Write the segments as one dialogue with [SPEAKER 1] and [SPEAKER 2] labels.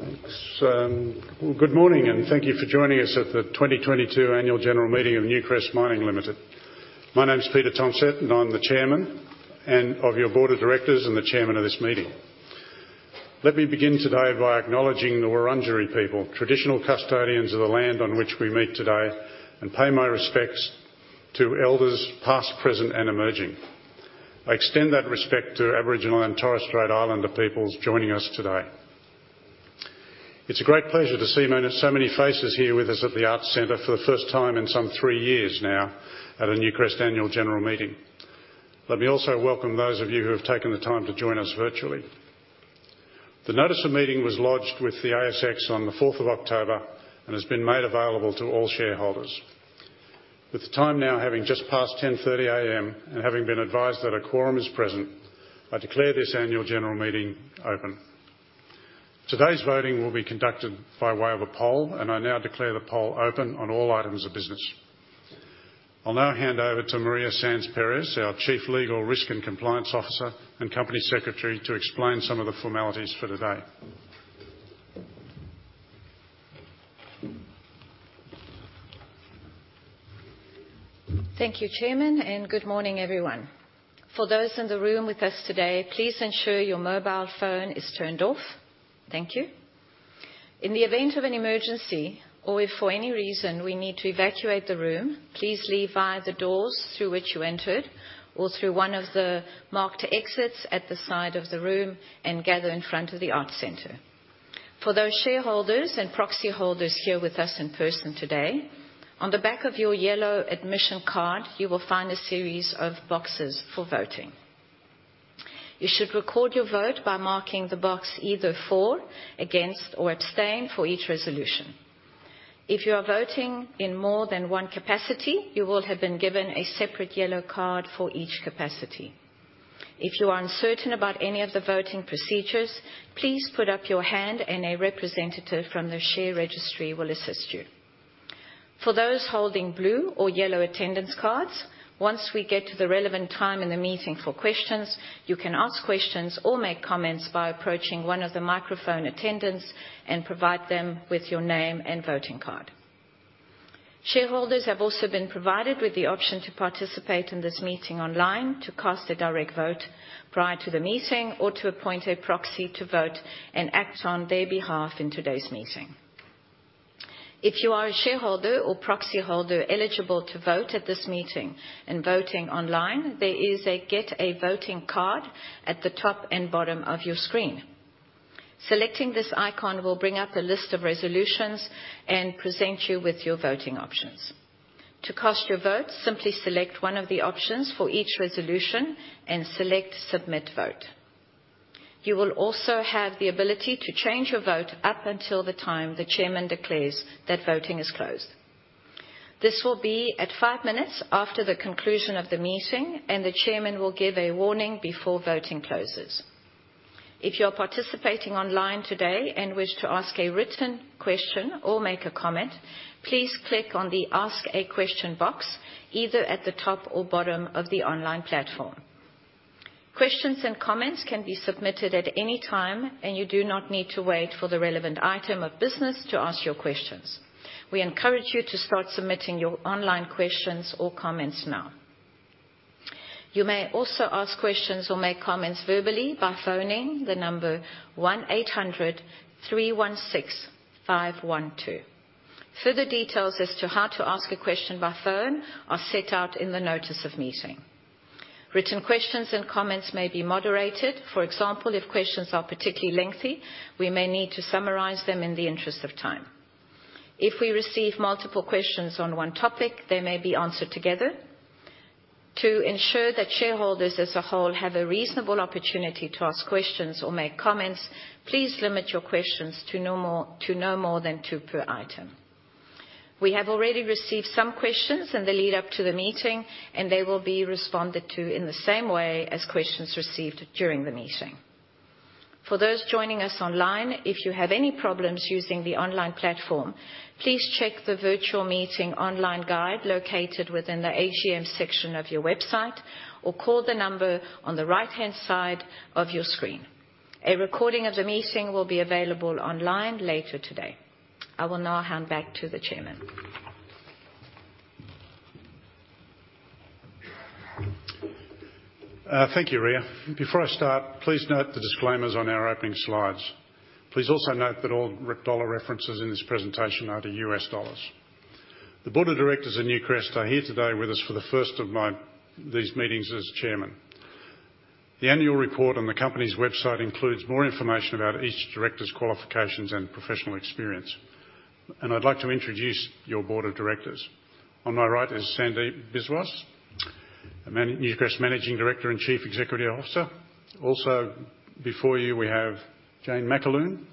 [SPEAKER 1] Thanks, and good morning, and thank you for joining us at the 2022 Annual General Meeting of Newcrest Mining Limited. My name is Peter Tomsett, and I'm the Chairman of your Board of Directors and the Chairman of this meeting. Let me begin today by acknowledging the Wurundjeri people, traditional custodians of the land on which we meet today, and pay my respects to elders past, present, and emerging. I extend that respect to Aboriginal and Torres Strait Islander peoples joining us today. It's a great pleasure to see so many faces here with us at the Arts Centre for the first time in some three years now at a Newcrest Annual General Meeting. Let me also welcome those of you who have taken the time to join us virtually. The notice of meeting was lodged with the ASX on the 4th of October and has been made available to all shareholders. With the time now having just passed 10:30 A.M. and having been advised that a quorum is present, I declare this annual general meeting open. Today's voting will be conducted by way of a poll, and I now declare the poll open on all items of business. I'll now hand over to Maria Sanz Perez, our Chief Legal, Risk and Compliance Officer and Company Secretary, to explain some of the formalities for today.
[SPEAKER 2] Thank you, Chairman, and good morning, everyone. For those in the room with us today, please ensure your mobile phone is turned off. Thank you. In the event of an emergency, or if for any reason we need to evacuate the room, please leave via the doors through which you entered or through one of the marked exits at the side of the room and gather in front of the Art Centre. For those shareholders and proxyholders here with us in person today, on the back of your yellow admission card, you will find a series of boxes for voting. You should record your vote by marking the box either for, against, or abstain for each resolution. If you are voting in more than one capacity, you will have been given a separate yellow card for each capacity. If you are uncertain about any of the voting procedures, please put up your hand and a representative from the share registry will assist you. For those holding blue or yellow attendance cards, once we get to the relevant time in the meeting for questions, you can ask questions or make comments by approaching one of the microphone attendants and provide them with your name and voting card. Shareholders have also been provided with the option to participate in this meeting online to cast a direct vote prior to the meeting or to appoint a proxy to vote and act on their behalf in today's meeting. If you are a shareholder or proxyholder eligible to vote at this meeting and voting online, there is a Get a Voting Card at the top and bottom of your screen. Selecting this icon will bring up a list of resolutions and present you with your voting options. To cast your vote, simply select one of the options for each resolution and select Submit Vote. You will also have the ability to change your vote up until the time the Chairman declares that voting is closed. This will be at five minutes after the conclusion of the meeting, and the Chairman will give a warning before voting closes. If you are participating online today and wish to ask a written question or make a comment, please click on the Ask a Question box either at the top or bottom of the online platform. Questions and comments can be submitted at any time, and you do not need to wait for the relevant item of business to ask your questions. We encourage you to start submitting your online questions or comments now. You may also ask questions or make comments verbally by phoning the number 1800-316-512. Further details as to how to ask a question by phone are set out in the notice of meeting. Written questions and comments may be moderated. For example, if questions are particularly lengthy, we may need to summarize them in the interest of time. If we receive multiple questions on one topic, they may be answered together. To ensure that shareholders as a whole have a reasonable opportunity to ask questions or make comments, please limit your questions to no more than two per item. We have already received some questions in the lead up to the meeting, and they will be responded to in the same way as questions received during the meeting. For those joining us online, if you have any problems using the online platform, please check the virtual meeting online guide located within the AGM section of your website or call the number on the right-hand side of your screen. A recording of the meeting will be available online later today. I will now hand back to the Chairman.
[SPEAKER 1] Thank you, Ria. Before I start, please note the disclaimers on our opening slides. Please also note that all dollar references in this presentation are U.S. dollars. The Board of Directors of Newcrest are here today with us for the first of these meetings as Chairman. The annual report on the company's website includes more information about each director's qualifications and professional experience. I'd like to introduce your Board of Directors. On my right is Sandeep Biswas, Newcrest Managing Director and Chief Executive Officer. Also before you, we have Jane McAloon,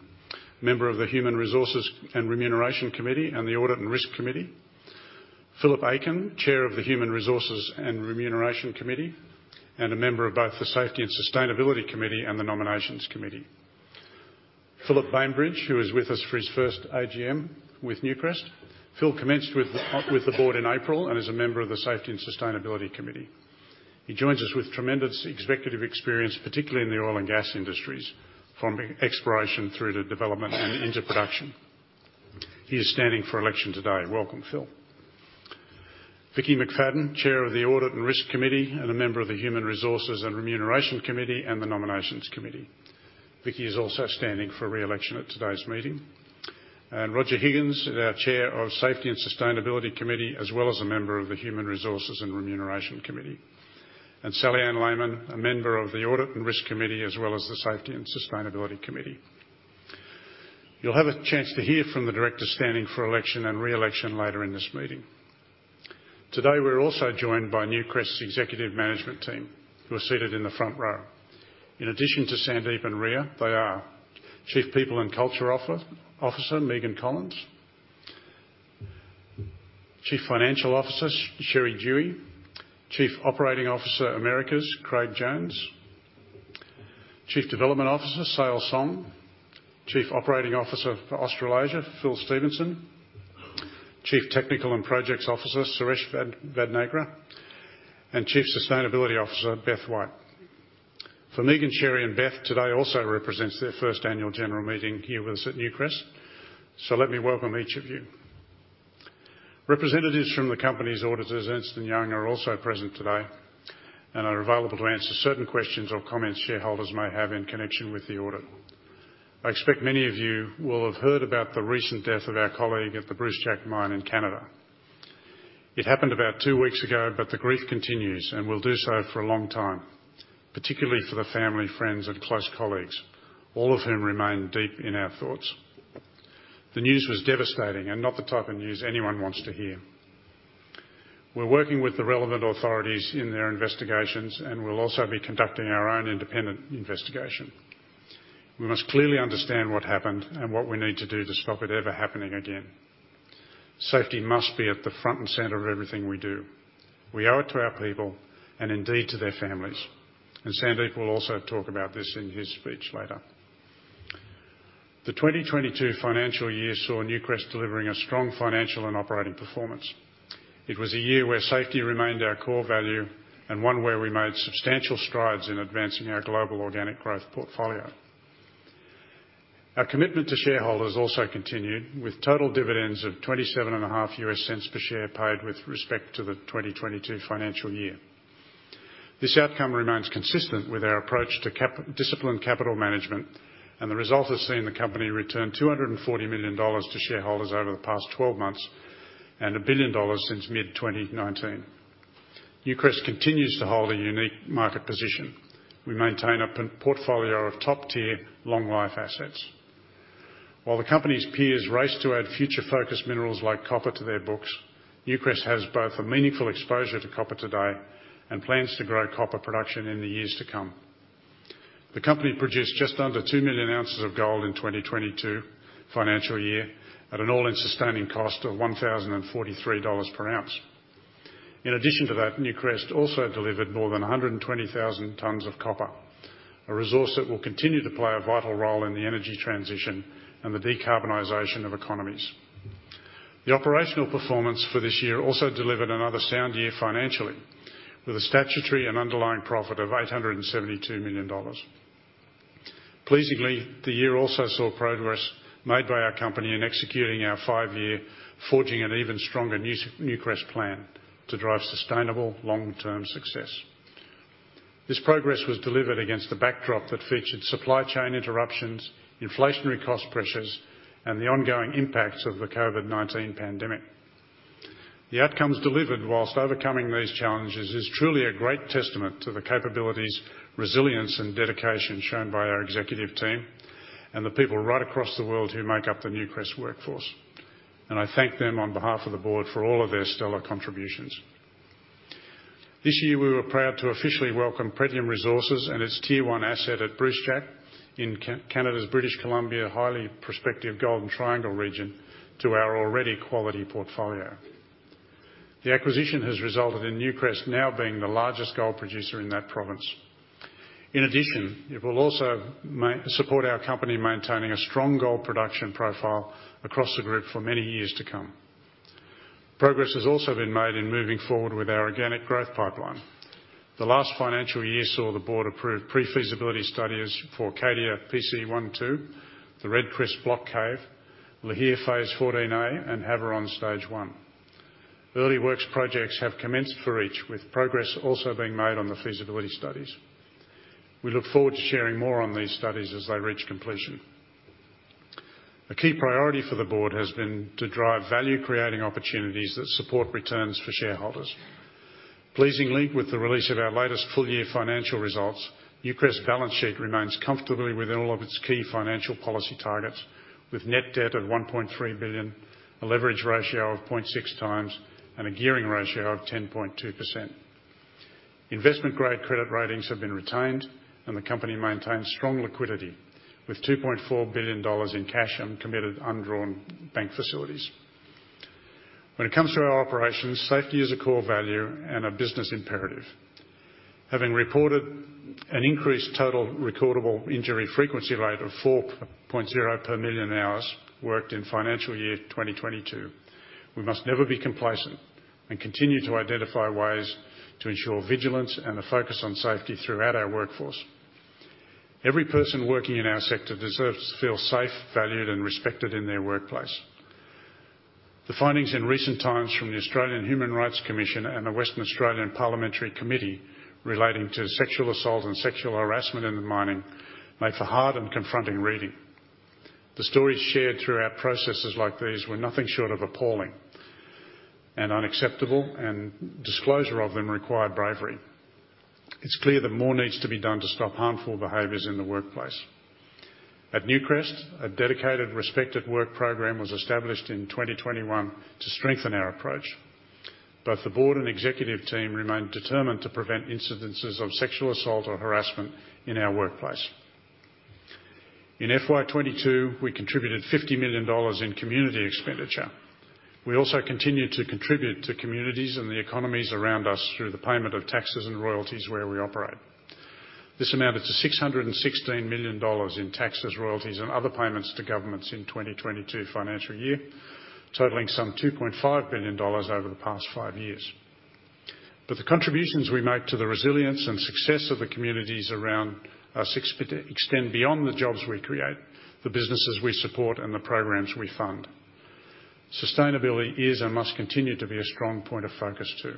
[SPEAKER 1] member of the Human Resources and Remuneration Committee and the Audit and Risk Committee. Philip Aiken, Chair of the Human Resources and Remuneration Committee, and a member of both the Safety and Sustainability Committee and the Nominations Committee. Philip Bainbridge, who is with us for his first AGM with Newcrest. Phil commenced with the board in April and is a member of the Safety and Sustainability Committee. He joins us with tremendous executive experience, particularly in the oil and gas industries, from exploration through to development and into production. He is standing for election today, welcome, Phil. Vickki McFadden, Chair of the Audit and Risk Committee and a member of the Human Resources and Remuneration Committee and the Nominations Committee. Vickki is also standing for re-election at today's meeting. Roger Higgins is our Chair of Safety and Sustainability Committee, as well as a member of the Human Resources and Remuneration Committee. Sally-Anne Layman, a member of the Audit and Risk Committee, as well as the Safety and Sustainability Committee. You'll have a chance to hear from the directors standing for election and re-election later in this meeting. Today, we're also joined by Newcrest's executive management team, who are seated in the front row. In addition to Sandeep and Ria, they are Chief People and Culture Officer, Megan Collins, Chief Financial Officer, Sherry Duhe, Chief Operating Officer, Americas, Craig Jones, Chief Development Officer, Seil Song, Chief Operating Officer for Australasia, Phil Stephenson, Chief Technical and Projects Officer, Suresh Vadnagra, and Chief Sustainability Officer, Beth White. For Megan, Sherry Duhe, and Beth, today also represents their first annual general meeting here with us at Newcrest. Let me welcome each of you. Representatives from the company's auditors, Ernst & Young, are also present today and are available to answer certain questions or comments shareholders may have in connection with the audit. I expect many of you will have heard about the recent death of our colleague at the Brucejack Mine in Canada. It happened about two weeks ago, but the grief continues and will do so for a long time, particularly for the family, friends, and close colleagues, all of whom remain deep in our thoughts. The news was devastating and not the type of news anyone wants to hear. We're working with the relevant authorities in their investigations, and we'll also be conducting our own independent investigation. We must clearly understand what happened and what we need to do to stop it ever happening again. Safety must be at the front and center of everything we do. We owe it to our people and indeed to their families. Sandeep will also talk about this in his speech later. The 2022 financial year saw Newcrest delivering a strong financial and operating performance. It was a year where safety remained our core value and one where we made substantial strides in advancing our global organic growth portfolio. Our commitment to shareholders also continued with total dividends of $0.275 per share paid with respect to the 2022 financial year. This outcome remains consistent with our approach to disciplined capital management, and the result has seen the company return $240 million to shareholders over the past 12 months and $1 billion since mid-2019. Newcrest continues to hold a unique market position. We maintain a portfolio of top-tier long life assets. While the company's peers race to add future-focused minerals like copper to their books, Newcrest has both a meaningful exposure to copper today and plans to grow copper production in the years to come. The company produced just under 2 million ounces of gold in 2022 financial year at an all-in sustaining cost of $1,043 per ounce. In addition to that, Newcrest also delivered more than 120,000 tons of copper, a resource that will continue to play a vital role in the energy transition and the decarbonization of economies. The operational performance for this year also delivered another sound year financially with a statutory and underlying profit of $ 872 million. Pleasingly, the year also saw progress made by our company in executing our five-year Forging an Even Stronger Newcrest plan to drive sustainable long-term success. This progress was delivered against the backdrop that featured supply chain interruptions, inflationary cost pressures, and the ongoing impacts of the COVID-19 pandemic. The outcomes delivered while overcoming these challenges is truly a great testament to the capabilities, resilience, and dedication shown by our executive team and the people right across the world who make up the Newcrest workforce, and I thank them on behalf of the board for all of their stellar contributions. This year, we were proud to officially welcome Pretium Resources and its Tier one asset at Brucejack in Canada's British Columbia highly prospective Golden Triangle region to our already quality portfolio. The acquisition has resulted in Newcrest now being the largest gold producer in that province. In addition, it will also support our company maintaining a strong gold production profile across the group for many years to come. Progress has also been made in moving forward with our organic growth pipeline. The last financial year saw the board approve pre-feasibility studies for Cadia PC1-2, the Red Chris Block Cave, Lihir Phase 14A, and Havieron Stage 1. Early works projects have commenced for each, with progress also being made on the feasibility studies. We look forward to sharing more on these studies as they reach completion. A key priority for the board has been to drive value-creating opportunities that support returns for shareholders. Pleasingly, with the release of our latest full-year financial results, Newcrest's balance sheet remains comfortably within all of its key financial policy targets with net debt of $1.3 billion, a leverage ratio of 0.6x, and a gearing ratio of 10.2%. Investment-grade credit ratings have been retained, and the company maintains strong liquidity with $2.4 billion in cash and committed undrawn bank facilities. When it comes to our operations, safety is a core value and a business imperative. Having reported an increased Total Recordable Injury Frequency Rate of 4.0 per million hours worked in financial year 2022. We must never be complacent and continue to identify ways to ensure vigilance and a focus on safety throughout our workforce. Every person working in our sector deserves to feel safe, valued, and respected in their workplace. The findings in recent times from the Australian Human Rights Commission and the Western Australian Parliamentary Committee relating to sexual assault and sexual harassment in mining make for hard and confronting reading. The stories shared through our processes like these were nothing short of appalling and unacceptable, and disclosure of them required bravery. It's clear that more needs to be done to stop harmful behaviors in the workplace. At Newcrest, a dedicated Respect@Work program was established in 2021 to strengthen our approach. Both the board and executive team remain determined to prevent incidents of sexual assault or harassment in our workplace. In FY 2022, we $50 million in community expenditure. We also continued to contribute to communities and the economies around us through the payment of taxes and royalties where we operate. This amounted to $616 million in taxes, royalties, and other payments to governments in 2022 financial year, totaling some $2.5 billion over the past five years. The contributions we make to the resilience and success of the communities around us extend beyond the jobs we create, the businesses we support, and the programs we fund. Sustainability is and must continue to be a strong point of focus too.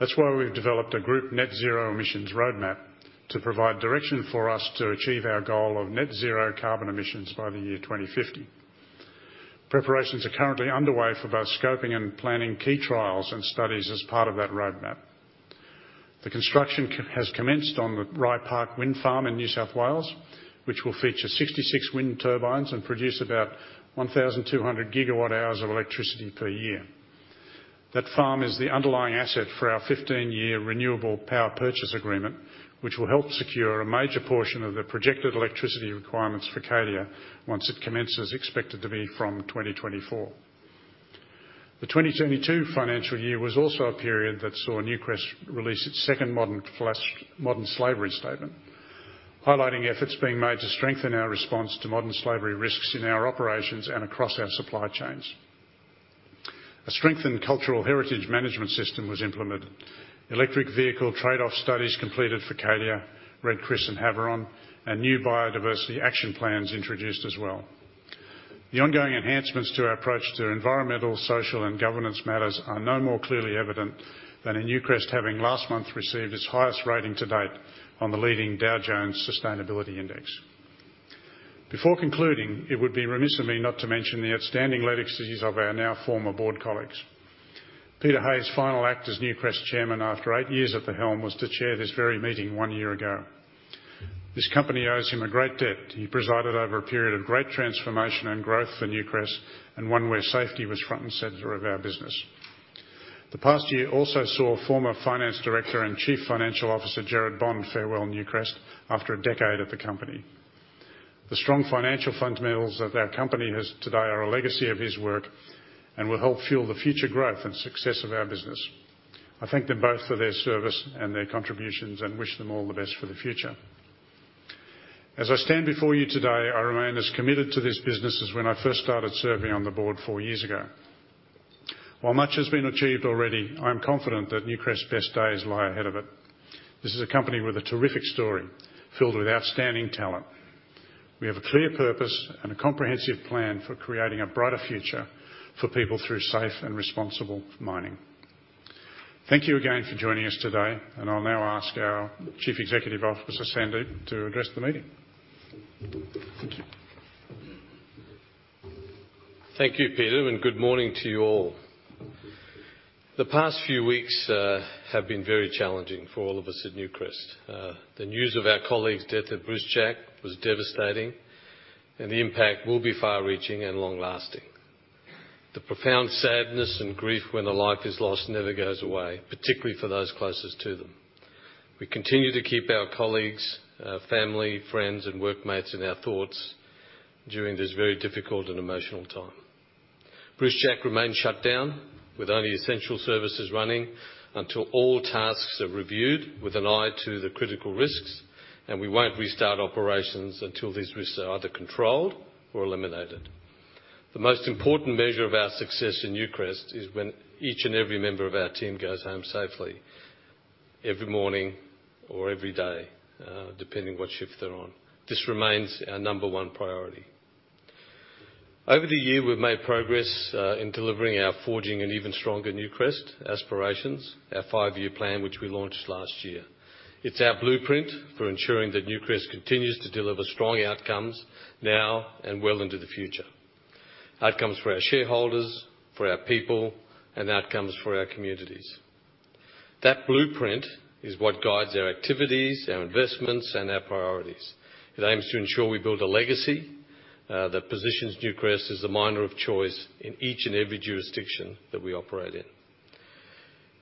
[SPEAKER 1] That's why we've developed a group net zero emissions roadmap to provide direction for us to achieve our goal of net zero carbon emissions by the year 2050. Preparations are currently underway for both scoping and planning key trials and studies as part of that roadmap. The construction has commenced on the Rye Park Wind Farm in New South Wales, which will feature 66 wind turbines and produce about 1,200 gigawatt hours of electricity per year. That farm is the underlying asset for our 15-year renewable power purchase agreement, which will help secure a major portion of the projected electricity requirements for Cadia once it commences expected to be from 2024. The 2022 financial year was also a period that saw Newcrest release its second Modern Slavery Statement, highlighting efforts being made to strengthen our response to modern slavery risks in our operations and across our supply chains. A strengthened cultural heritage management system was implemented. Electric vehicle trade-off studies completed for Cadia, Red Chris, and Havieron, and new biodiversity action plans introduced as well. The ongoing enhancements to our approach to environmental, social, and governance matters are no more clearly evident than in Newcrest having last month received its highest rating to date on the leading Dow Jones Sustainability Index. Before concluding, it would be remiss of me not to mention the outstanding legacies of our now former board colleagues. Peter Hay's final act as Newcrest chairman after eight years at the helm was to chair this very meeting one year ago. This company owes him a great debt. He presided over a period of great transformation and growth for Newcrest, and one where safety was front and center of our business. The past year also saw former Finance Director and Chief Financial Officer, Gerard Bond, farewell Newcrest after a decade at the company. The strong financial fundamentals of our company that we have today are a legacy of his work and will help fuel the future growth and success of our business. I thank them both for their service and their contributions and wish them all the best for the future. As I stand before you today, I remain as committed to this business as when I first started serving on the board four years ago. While much has been achieved already, I'm confident that Newcrest's best days lie ahead of it. This is a company with a terrific story, filled with outstanding talent. We have a clear purpose and a comprehensive plan for creating a brighter future for people through safe and responsible mining. Thank you again for joining us today, and I'll now ask our Chief Executive Officer, Sandeep, to address the meeting. Thank you.
[SPEAKER 3] Thank you, Peter, and good morning to you all. The past few weeks have been very challenging for all of us at Newcrest. The news of our colleague's death at Brucejack was devastating, and the impact will be far-reaching and long-lasting. The profound sadness and grief when a life is lost never goes away, particularly for those closest to them. We continue to keep our colleagues, our family, friends, and workmates in our thoughts during this very difficult and emotional time. Brucejack remains shut down, with only essential services running until all tasks are reviewed with an eye to the critical risks, and we won't restart operations until these risks are either controlled or eliminated. The most important measure of our success in Newcrest is when each and every member of our team goes home safely every morning or every day, depending what shift they're on. This remains our number one priority. Over the year, we've made progress in delivering our forging an even stronger Newcrest Aspirations, our five-year plan, which we launched last year. It's our blueprint for ensuring that Newcrest continues to deliver strong outcomes now and well into the future. Outcomes for our shareholders, for our people, and outcomes for our communities. That blueprint is what guides our activities, our investments, and our priorities. It aims to ensure we build a legacy that positions Newcrest as the miner of choice in each and every jurisdiction that we operate in.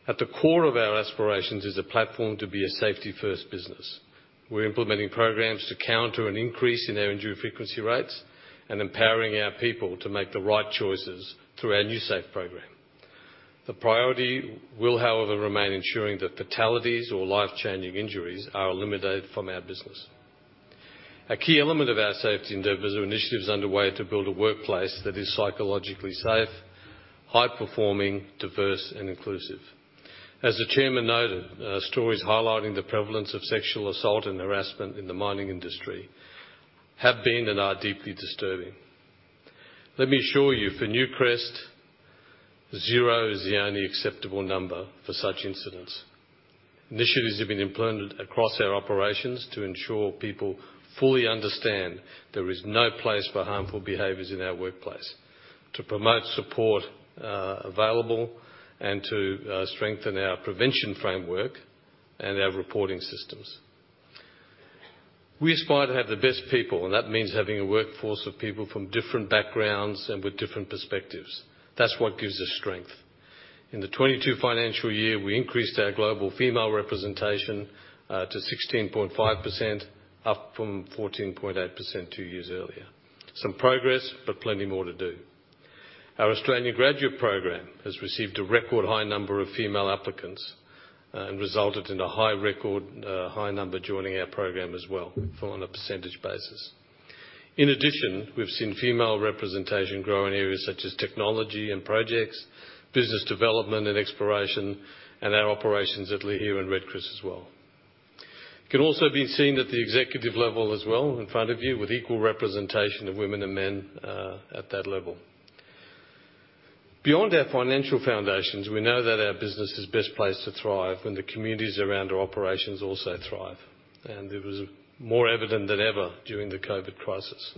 [SPEAKER 3] At the core of our aspirations is a platform to be a safety-first business. We're implementing programs to counter an increase in our injury frequency rates and empowering our people to make the right choices through our NewSafe program. The priority will, however, remain ensuring that fatalities or life-changing injuries are eliminated from our business. A key element of our safety endeavors are initiatives underway to build a workplace that is psychologically safe, high-performing, diverse and inclusive. As the chairman noted, stories highlighting the prevalence of sexual assault and harassment in the mining industry have been and are deeply disturbing. Let me assure you, for Newcrest, zero is the only acceptable number for such incidents. Initiatives have been implemented across our operations to ensure people fully understand there is no place for harmful behaviors in our workplace, to promote support available, and to strengthen our prevention framework and our reporting systems. We aspire to have the best people, and that means having a workforce of people from different backgrounds and with different perspectives. That's what gives us strength. In the 2022 financial year, we increased our global female representation to 16.5%, up from 14.8% two years earlier. Some progress, but plenty more to do. Our Australian Graduate Program has received a record high number of female applicants, and resulted in a high number joining our program as well from on a percentage basis. In addition, we've seen female representation grow in areas such as technology and projects, business development and exploration, and our operations at Lihir and Red Chris as well. It can also be seen at the executive level as well in front of you with equal representation of women and men at that level. Beyond our financial foundations, we know that our business is best placed to thrive when the communities around our operations also thrive, and it was more evident than ever during the COVID crisis.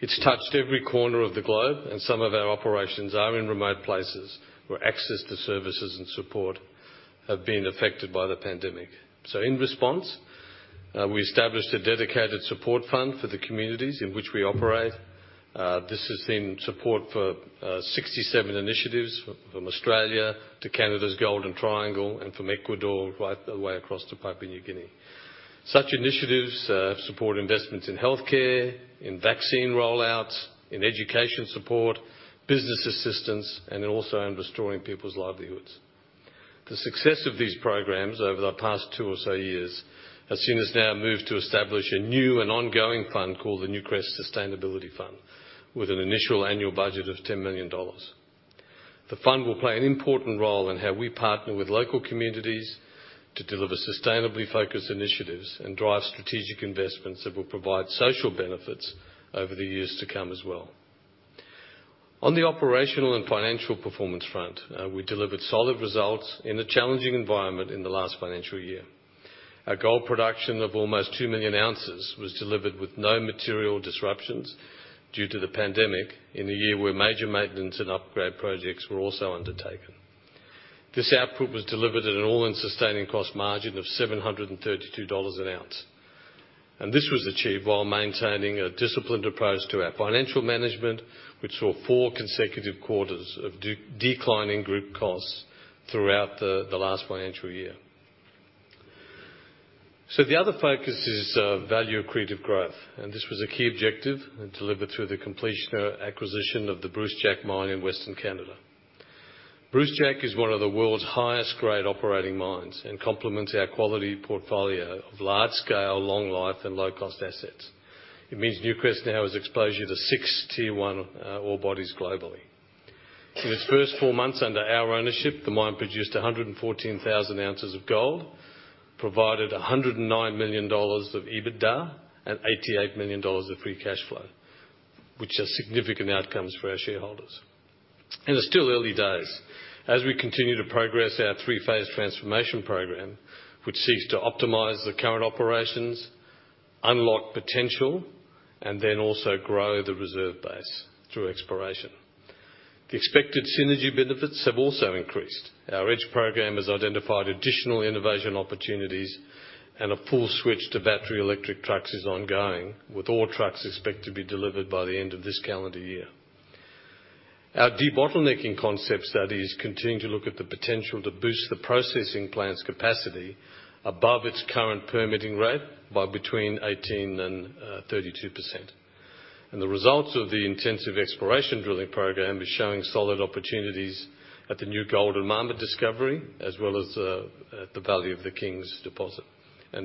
[SPEAKER 3] It's touched every corner of the globe, and some of our operations are in remote places where access to services and support have been affected by the pandemic. In response, we established a dedicated support fund for the communities in which we operate. This has been support for 67 initiatives from Australia to Canada's Golden Triangle and from Ecuador right the way across to Papua New Guinea. Such initiatives support investments in healthcare, in vaccine rollouts, in education support, business assistance, and also in restoring people's livelihoods. The success of these programs over the past two or so years has seen us now move to establish a new and ongoing fund called the Newcrest Sustainability Fund with an initial annual budget of $10 million. The fund will play an important role in how we partner with local communities to deliver sustainably focused initiatives and drive strategic investments that will provide social benefits over the years to come as well. On the operational and financial performance front, we delivered solid results in a challenging environment in the last financial year. Our gold production of almost 2 million ounces was delivered with no material disruptions due to the pandemic in the year where major maintenance and upgrade projects were also undertaken. This output was delivered at an all-in sustaining cost margin of $732 an ounce. This was achieved while maintaining a disciplined approach to our financial management, which saw four consecutive quarters of declining group costs throughout the last financial year. The other focus is value accretive growth, and this was a key objective and delivered through the completion of acquisition of the Brucejack Mine in Western Canada. Brucejack is one of the world's highest grade operating mines and complements our quality portfolio of large scale, long life and low-cost assets. It means Newcrest now has exposure to six Tier one ore bodies globally. In its first four months under our ownership, the mine produced 114,000 ounces of gold, provided $109 million of EBITDA, and $88 million of free cash flow, which are significant outcomes for our shareholders. It's still early days as we continue to progress our three-phase transformation program, which seeks to optimize the current operations, unlock potential, and then also grow the reserve base through exploration. The expected synergy benefits have also increased. Our EDGE program has identified additional innovation opportunities, and a full switch to battery electric trucks is ongoing, with all trucks expected to be delivered by the end of this calendar year. Our debottlenecking concept studies continue to look at the potential to boost the processing plant's capacity above its current permitting rate by between 18% and 32%. The results of the intensive exploration drilling program is showing solid opportunities at the New Golden Marmot discovery, as well as the Valley of the Kings deposit.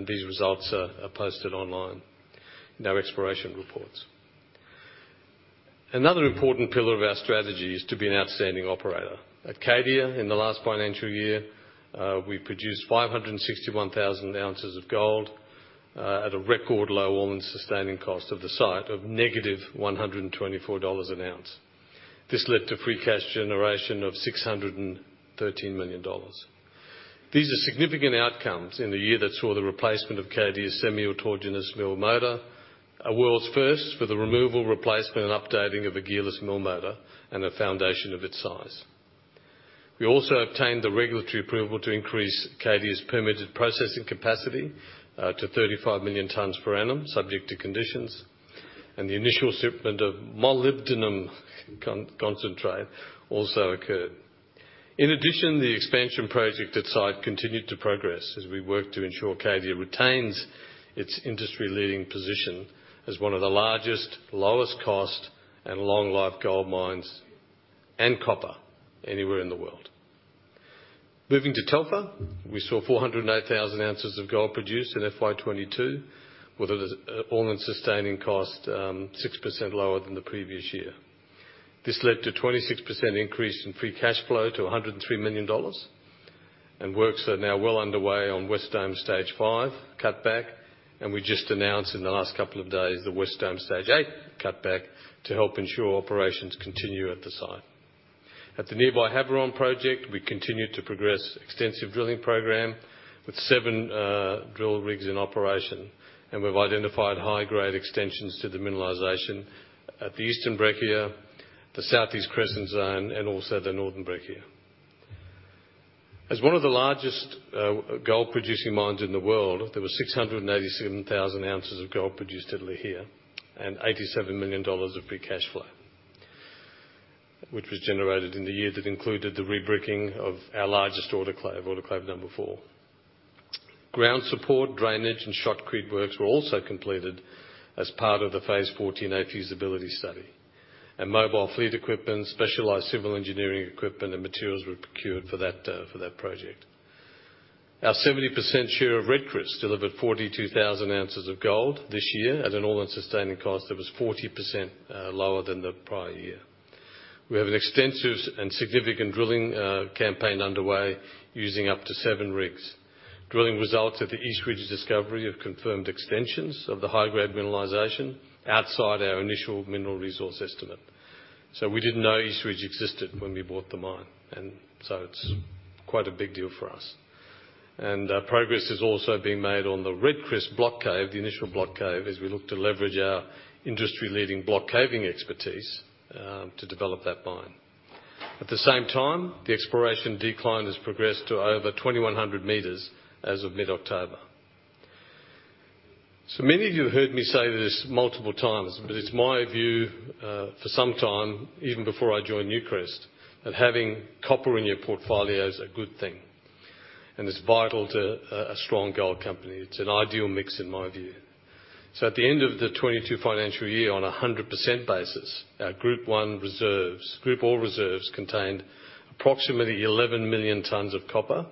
[SPEAKER 3] These results are posted online in our exploration reports. Another important pillar of our strategy is to be an outstanding operator. At Cadia, in the last financial year, we produced 561,000 ounces of gold at a record low all-in sustaining cost of the site of -$124 an ounce. This led to free cash generation of $613 million. These are significant outcomes in the year that saw the replacement of Cadia's Semi-Autogenous Mill Motor, a world's first for the removal, replacement, and updating of a gearless mill motor and a foundation of its size. We also obtained the regulatory approval to increase Cadia's permitted processing capacity to 35 million tons per annum, subject to conditions, and the initial shipment of molybdenum concentrate also occurred. In addition, the expansion project at site continued to progress as we work to ensure Cadia retains its industry-leading position as one of the largest, lowest cost, and long-life gold mines and copper anywhere in the world. Moving to Telfer, we saw 408,000 ounces of gold produced in FY 2022, with an all-in sustaining cost 6% lower than the previous year. This led to 26% increase in free cash flow to $103 million. Works are now well underway on West Dome Stage 5 cutback. We just announced in the last couple of days the West Dome Stage 8 cutback to help ensure operations continue at the site. At the nearby Havieron Project, we continued to progress extensive drilling program with seven drill rigs in operation, and we've identified high-grade extensions to the mineralization at the Eastern Breccia, the Southeast Crescent Zone, and also the Northern Breccia. As one of the largest gold-producing mines in the world, there were 687,000 ounces of gold produced at Lihir, and $87 million of free cash flow, which was generated in the year that included the rebricking of our largest autoclave number four. Ground support, drainage, and shotcrete works were also completed as part of the Phase 14A feasibility study. Mobile fleet equipment, specialized civil engineering equipment, and materials were procured for that project. Our 70% share of Red Chris delivered 42,000 ounces of gold this year at an all-in sustaining cost that was 40% lower than the prior year. We have an extensive and significant drilling campaign underway using up to seven rigs. Drilling results at the East Ridge discovery have confirmed extensions of the high-grade mineralization outside our initial mineral resource estimate. We didn't know East Ridge existed when we bought the mine, and so it's quite a big deal for us. Progress has also been made on the Red Chris block cave, the initial block cave, as we look to leverage our industry-leading block caving expertise to develop that mine. At the same time, the exploration decline has progressed to over 2,100 meters as of mid-October. Many of you have heard me say this multiple times, but it's my view, for some time, even before I joined Newcrest, that having copper in your portfolio is a good thing, and it's vital to a strong gold company. It's an ideal mix in my view. At the end of the 2022 financial year, on a 100% basis, our Group 1 reserves, Group Ore Reserves contained approximately 11 million tons of copper,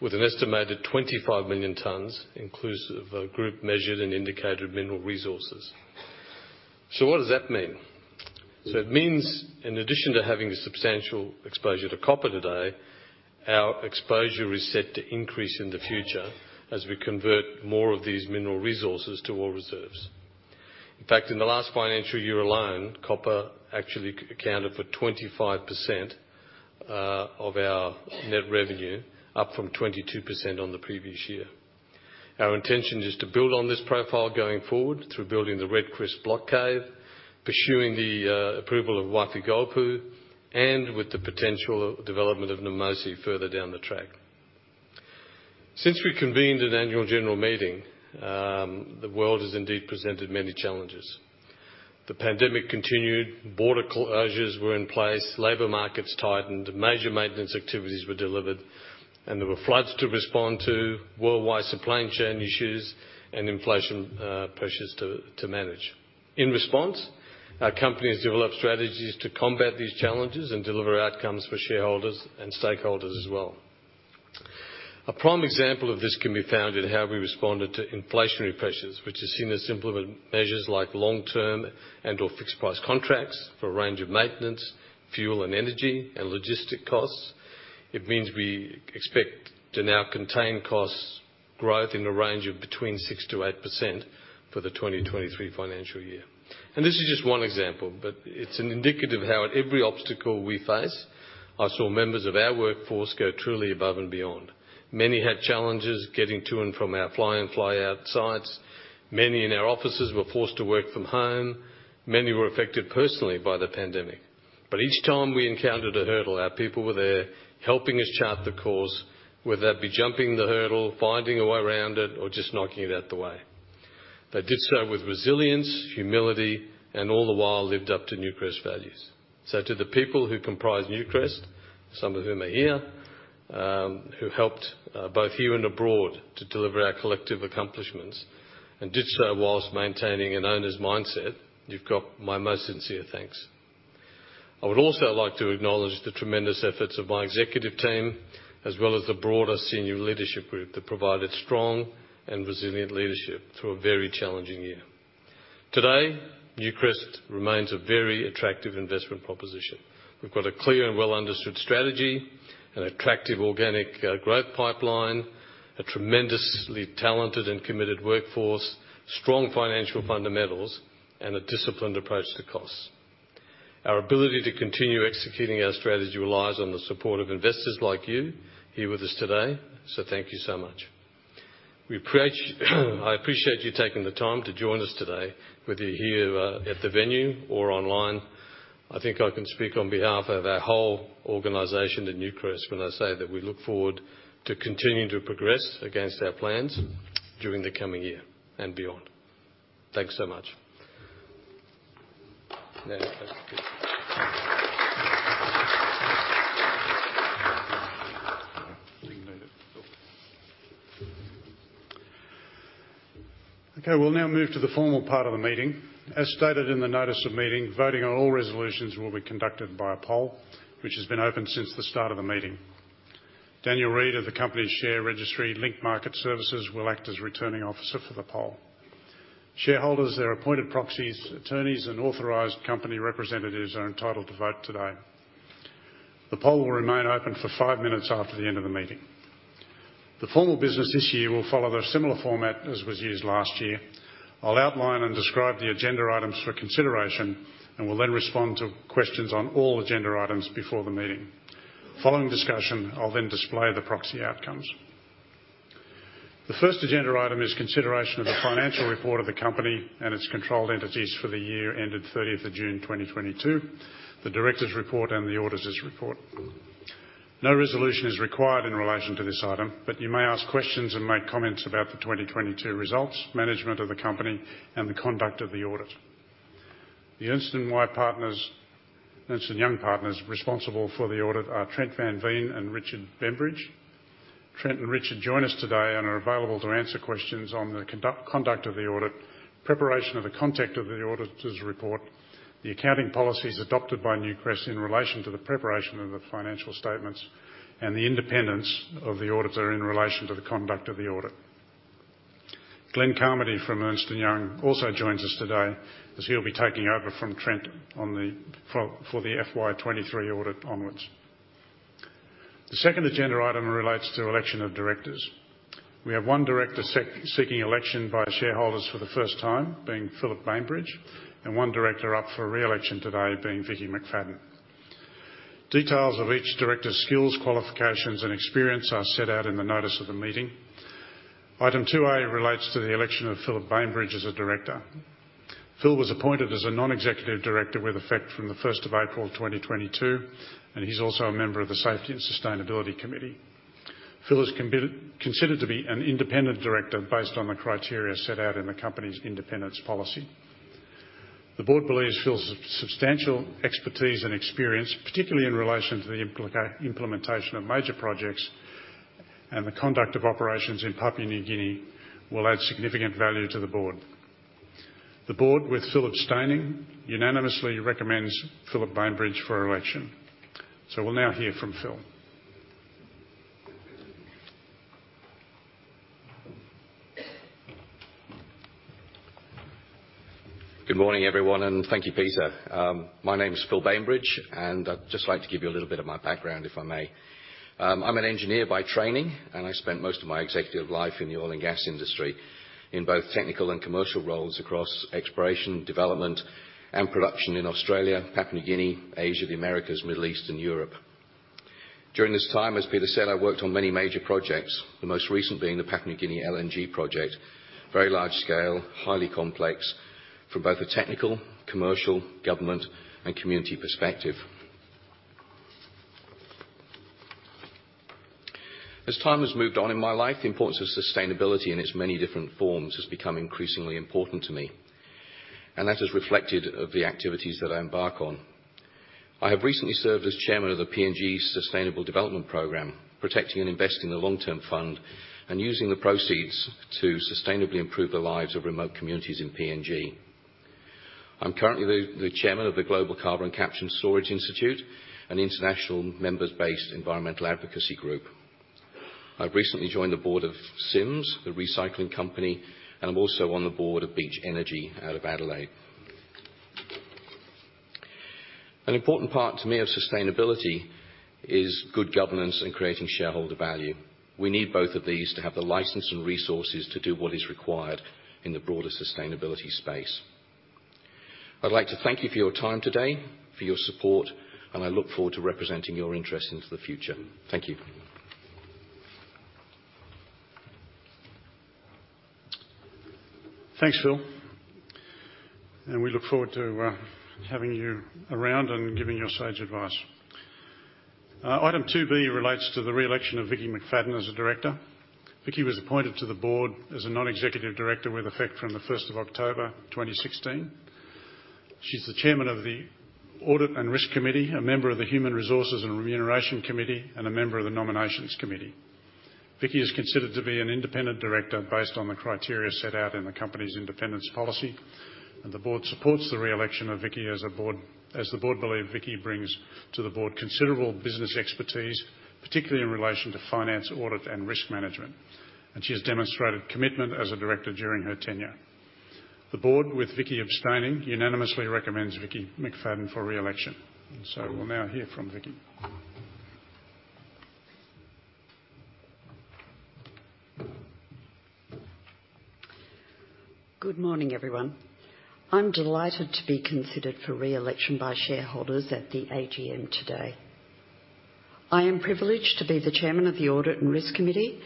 [SPEAKER 3] with an estimated 25 million tons inclusive of our group measured and indicated mineral resources. What does that mean? It means in addition to having a substantial exposure to copper today, our exposure is set to increase in the future as we convert more of these mineral resources to ore reserves. In fact, in the last financial year alone, copper actually accounted for 25% of our net revenue, up from 22% on the previous year. Our intention is to build on this profile going forward through building the Red Chris Block Cave, pursuing the approval of Wafi-Golpu, and with the potential development of Namosi further down the track. Since we convened at annual general meeting, the world has indeed presented many challenges. The pandemic continued, border closures were in place, labor markets tightened, major maintenance activities were delivered, and there were floods to respond to, worldwide supply chain issues and inflation pressures to manage. In response, our company has developed strategies to combat these challenges and deliver outcomes for shareholders and stakeholders as well. A prime example of this can be found in how we responded to inflationary pressures, which has seen us implement measures like long-term and/or fixed price contracts for a range of maintenance, fuel and energy, and logistic costs. It means we expect to now contain costs growth in a range of between 6%-8% for the 2023 financial year. This is just one example, but it's indicative how at every obstacle we face, I saw members of our workforce go truly above and beyond. Many had challenges getting to and from our fly-in, fly-out sites. Many in our offices were forced to work from home. Many were affected personally by the pandemic. Each time we encountered a hurdle, our people were there helping us chart the course, whether that be jumping the hurdle, finding a way around it, or just knocking it out the way. They did so with resilience, humility, and all the while lived up to Newcrest values. To the people who comprise Newcrest, some of whom are here, who helped both here and abroad to deliver our collective accomplishments and did so while maintaining an owner's mindset, you've got my most sincere thanks. I would also like to acknowledge the tremendous efforts of my executive team, as well as the broader senior leadership group that provided strong and resilient leadership through a very challenging year. Today, Newcrest remains a very attractive investment proposition. We've got a clear and well-understood strategy, an attractive organic growth pipeline, a tremendously talented and committed workforce, strong financial fundamentals, and a disciplined approach to costs. Our ability to continue executing our strategy relies on the support of investors like you, here with us today. Thank you so much. I appreciate you taking the time to join us today, whether you're here at the venue or online. I think I can speak on behalf of our whole organization at Newcrest when I say that we look forward to continuing to progress against our plans during the coming year and beyond. Thanks so much.
[SPEAKER 1] Okay, we'll now move to the formal part of the meeting. As stated in the notice of meeting, voting on all resolutions will be conducted by a poll, which has been open since the start of the meeting. Daniel Reid of the company's share registry, Link Market Services, will act as Returning Officer for the poll. Shareholders, their appointed proxies, attorneys, and authorized company representatives are entitled to vote today. The poll will remain open for five minutes after the end of the meeting. The formal business this year will follow the similar format as was used last year. I'll outline and describe the agenda items for consideration and will then respond to questions on all agenda items before the meeting. Following discussion, I'll then display the proxy outcomes. The first agenda item is consideration of the financial report of the company and its controlled entities for the year ended 30th of June 2022, the directors' report and the auditors' report. No resolution is required in relation to this item, but you may ask questions and make comments about the 2022 results, management of the company, and the conduct of the audit. Ernst & Young Partners responsible for the audit are Trent van Veen and Richard Bembridge. Trent and Richard join us today and are available to answer questions on the conduct of the audit, preparation of the content of the auditors' report, the accounting policies adopted by Newcrest in relation to the preparation of the financial statements, and the independence of the auditor in relation to the conduct of the audit. Glenn Carmody from Ernst & Young also joins us today as he'll be taking over from Trent for the FY 2023 audit onwards. The second agenda item relates to election of directors. We have one director seeking election by shareholders for the first time, being Philip Bainbridge, and one director up for re-election today, being Vickki McFadden. Details of each director's skills, qualifications, and experience are set out in the notice of the meeting. Item 2A relates to the election of Philip Bainbridge as a director. Phil was appointed as a non-executive director with effect from the first of April 2022, and he's also a member of the Safety and Sustainability Committee. Phil is considered to be an independent director based on the criteria set out in the company's independence policy. The board believes Phil's substantial expertise and experience, particularly in relation to the implementation of major projects and the conduct of operations in Papua New Guinea, will add significant value to the board. The board, with Philip abstaining, unanimously recommends Philip Bainbridge for election. We'll now hear from Phil.
[SPEAKER 4] Good morning, everyone, and thank you, Peter. My name is Philip Bainbridge, and I'd just like to give you a little bit of my background, if I may. I'm an engineer by training, and I spent most of my executive life in the oil and gas industry in both technical and commercial roles across exploration, development, and production in Australia, Papua New Guinea, Asia, the Americas, Middle East, and Europe. During this time, as Peter said, I worked on many major projects. The most recent being the Papua New Guinea LNG project. Very large scale, highly complex from both a technical, commercial, government, and community perspective. As time has moved on in my life, the importance of sustainability in its many different forms has become increasingly important to me, and that is reflected in the activities that I embark on. I have recently served as chairman of the PNG Sustainable Development Program, protecting and investing the long-term fund and using the proceeds to sustainably improve the lives of remote communities in PNG. I'm currently the chairman of the Global Carbon Capture and Storage Institute, an international members-based environmental advocacy group. I've recently joined the board of Sims, the recycling company, and I'm also on the board of Beach Energy out of Adelaide. An important part, to me, of sustainability is good governance and creating shareholder value. We need both of these to have the license and resources to do what is required in the broader sustainability space. I'd like to thank you for your time today, for your support, and I look forward to representing your interests into the future. Thank you.
[SPEAKER 1] Thanks, Phil. We look forward to having you around and giving your sage advice. Item two B relates to the re-election of Vickki McFadden as a director. Vickki was appointed to the board as a non-executive director with effect from the first of October 2016. She's the chairman of the Audit and Risk Committee, a member of the Human Resources and Remuneration Committee, and a member of the Nominations Committee. Vickki is considered to be an independent director based on the criteria set out in the company's independence policy, and the board supports the re-election of Vickki, as the board believe Vickki brings to the board considerable business expertise, particularly in relation to finance, audit, and risk management. She has demonstrated commitment as a director during her tenure. The board, with Vickki abstaining, unanimously recommends Vickki McFadden for re-election. We'll now hear from Vickki.
[SPEAKER 5] Good morning, everyone. I'm delighted to be considered for re-election by shareholders at the AGM today. I am privileged to be the chairman of the Audit and Risk Committee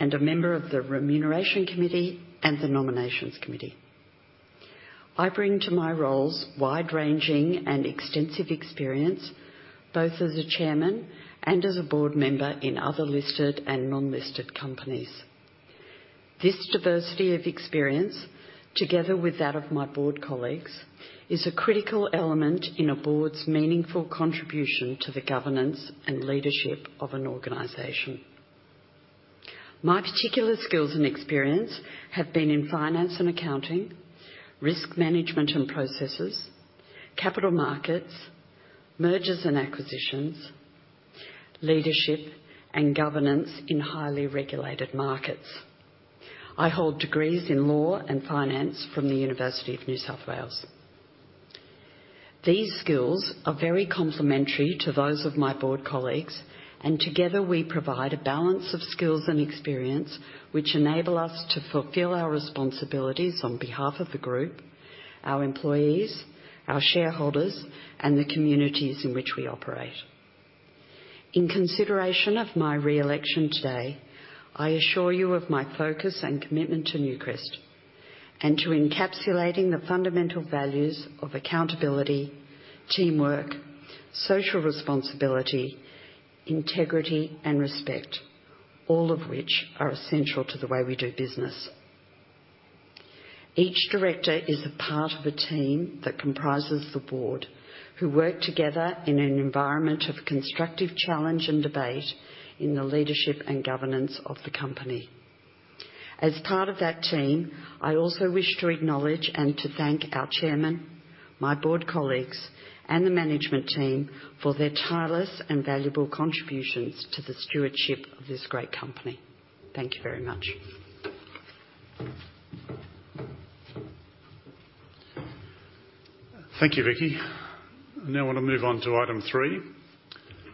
[SPEAKER 5] and a member of the Remuneration Committee and the Nominations Committee. I bring to my roles wide-ranging and extensive experience, both as a chairman and as a board member in other listed and non-listed companies. This diversity of experience, together with that of my board colleagues, is a critical element in a board's meaningful contribution to the governance and leadership of an organization. My particular skills and experience have been in finance and accounting, risk management and processes, capital markets, mergers and acquisitions, leadership, and governance in highly regulated markets. I hold degrees in law and finance from the University of New South Wales. These skills are very complementary to those of my board colleagues, and together we provide a balance of skills and experience which enable us to fulfill our responsibilities on behalf of the group, our employees, our shareholders, and the communities in which we operate. In consideration of my re-election today, I assure you of my focus and commitment to Newcrest and to encapsulating the fundamental values of accountability, teamwork, social responsibility, integrity and respect, all of which are essential to the way we do business. Each director is a part of a team that comprises the board, who work together in an environment of constructive challenge and debate in the leadership and governance of the company. As part of that team, I also wish to acknowledge and to thank our chairman, my board colleagues, and the management team for their tireless and valuable contributions to the stewardship of this great company. Thank you very much.
[SPEAKER 1] Thank you, Vickki. Now I wanna move on to item three.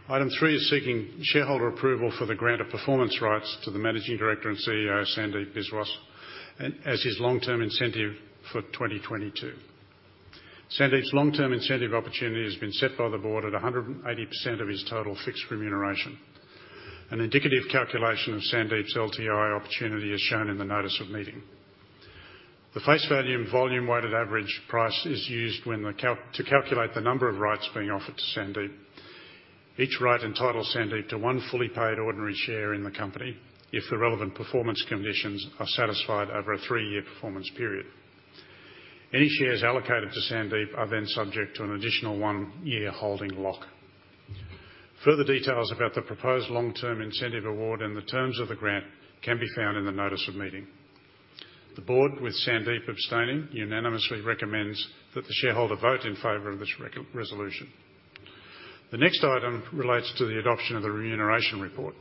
[SPEAKER 1] Item three is seeking shareholder approval for the grant of performance rights to the Managing Director and CEO, Sandeep Biswas, and as his long-term incentive for 2022. Sandeep's long-term incentive opportunity has been set by the board at 180% of his total fixed remuneration. An indicative calculation of Sandeep's LTI opportunity is shown in the notice of meeting. The face value and volume-weighted average price is used to calculate the number of rights being offered to Sandeep. Each right entitles Sandeep to one fully paid ordinary share in the company if the relevant performance conditions are satisfied over a three-year performance period. Any shares allocated to Sandeep are then subject to an additional one-year holding lock. Further details about the proposed long-term incentive award and the terms of the grant can be found in the notice of meeting. The board, with Sandeep abstaining, unanimously recommends that the shareholder vote in favor of this resolution. The next item relates to the adoption of the remuneration report.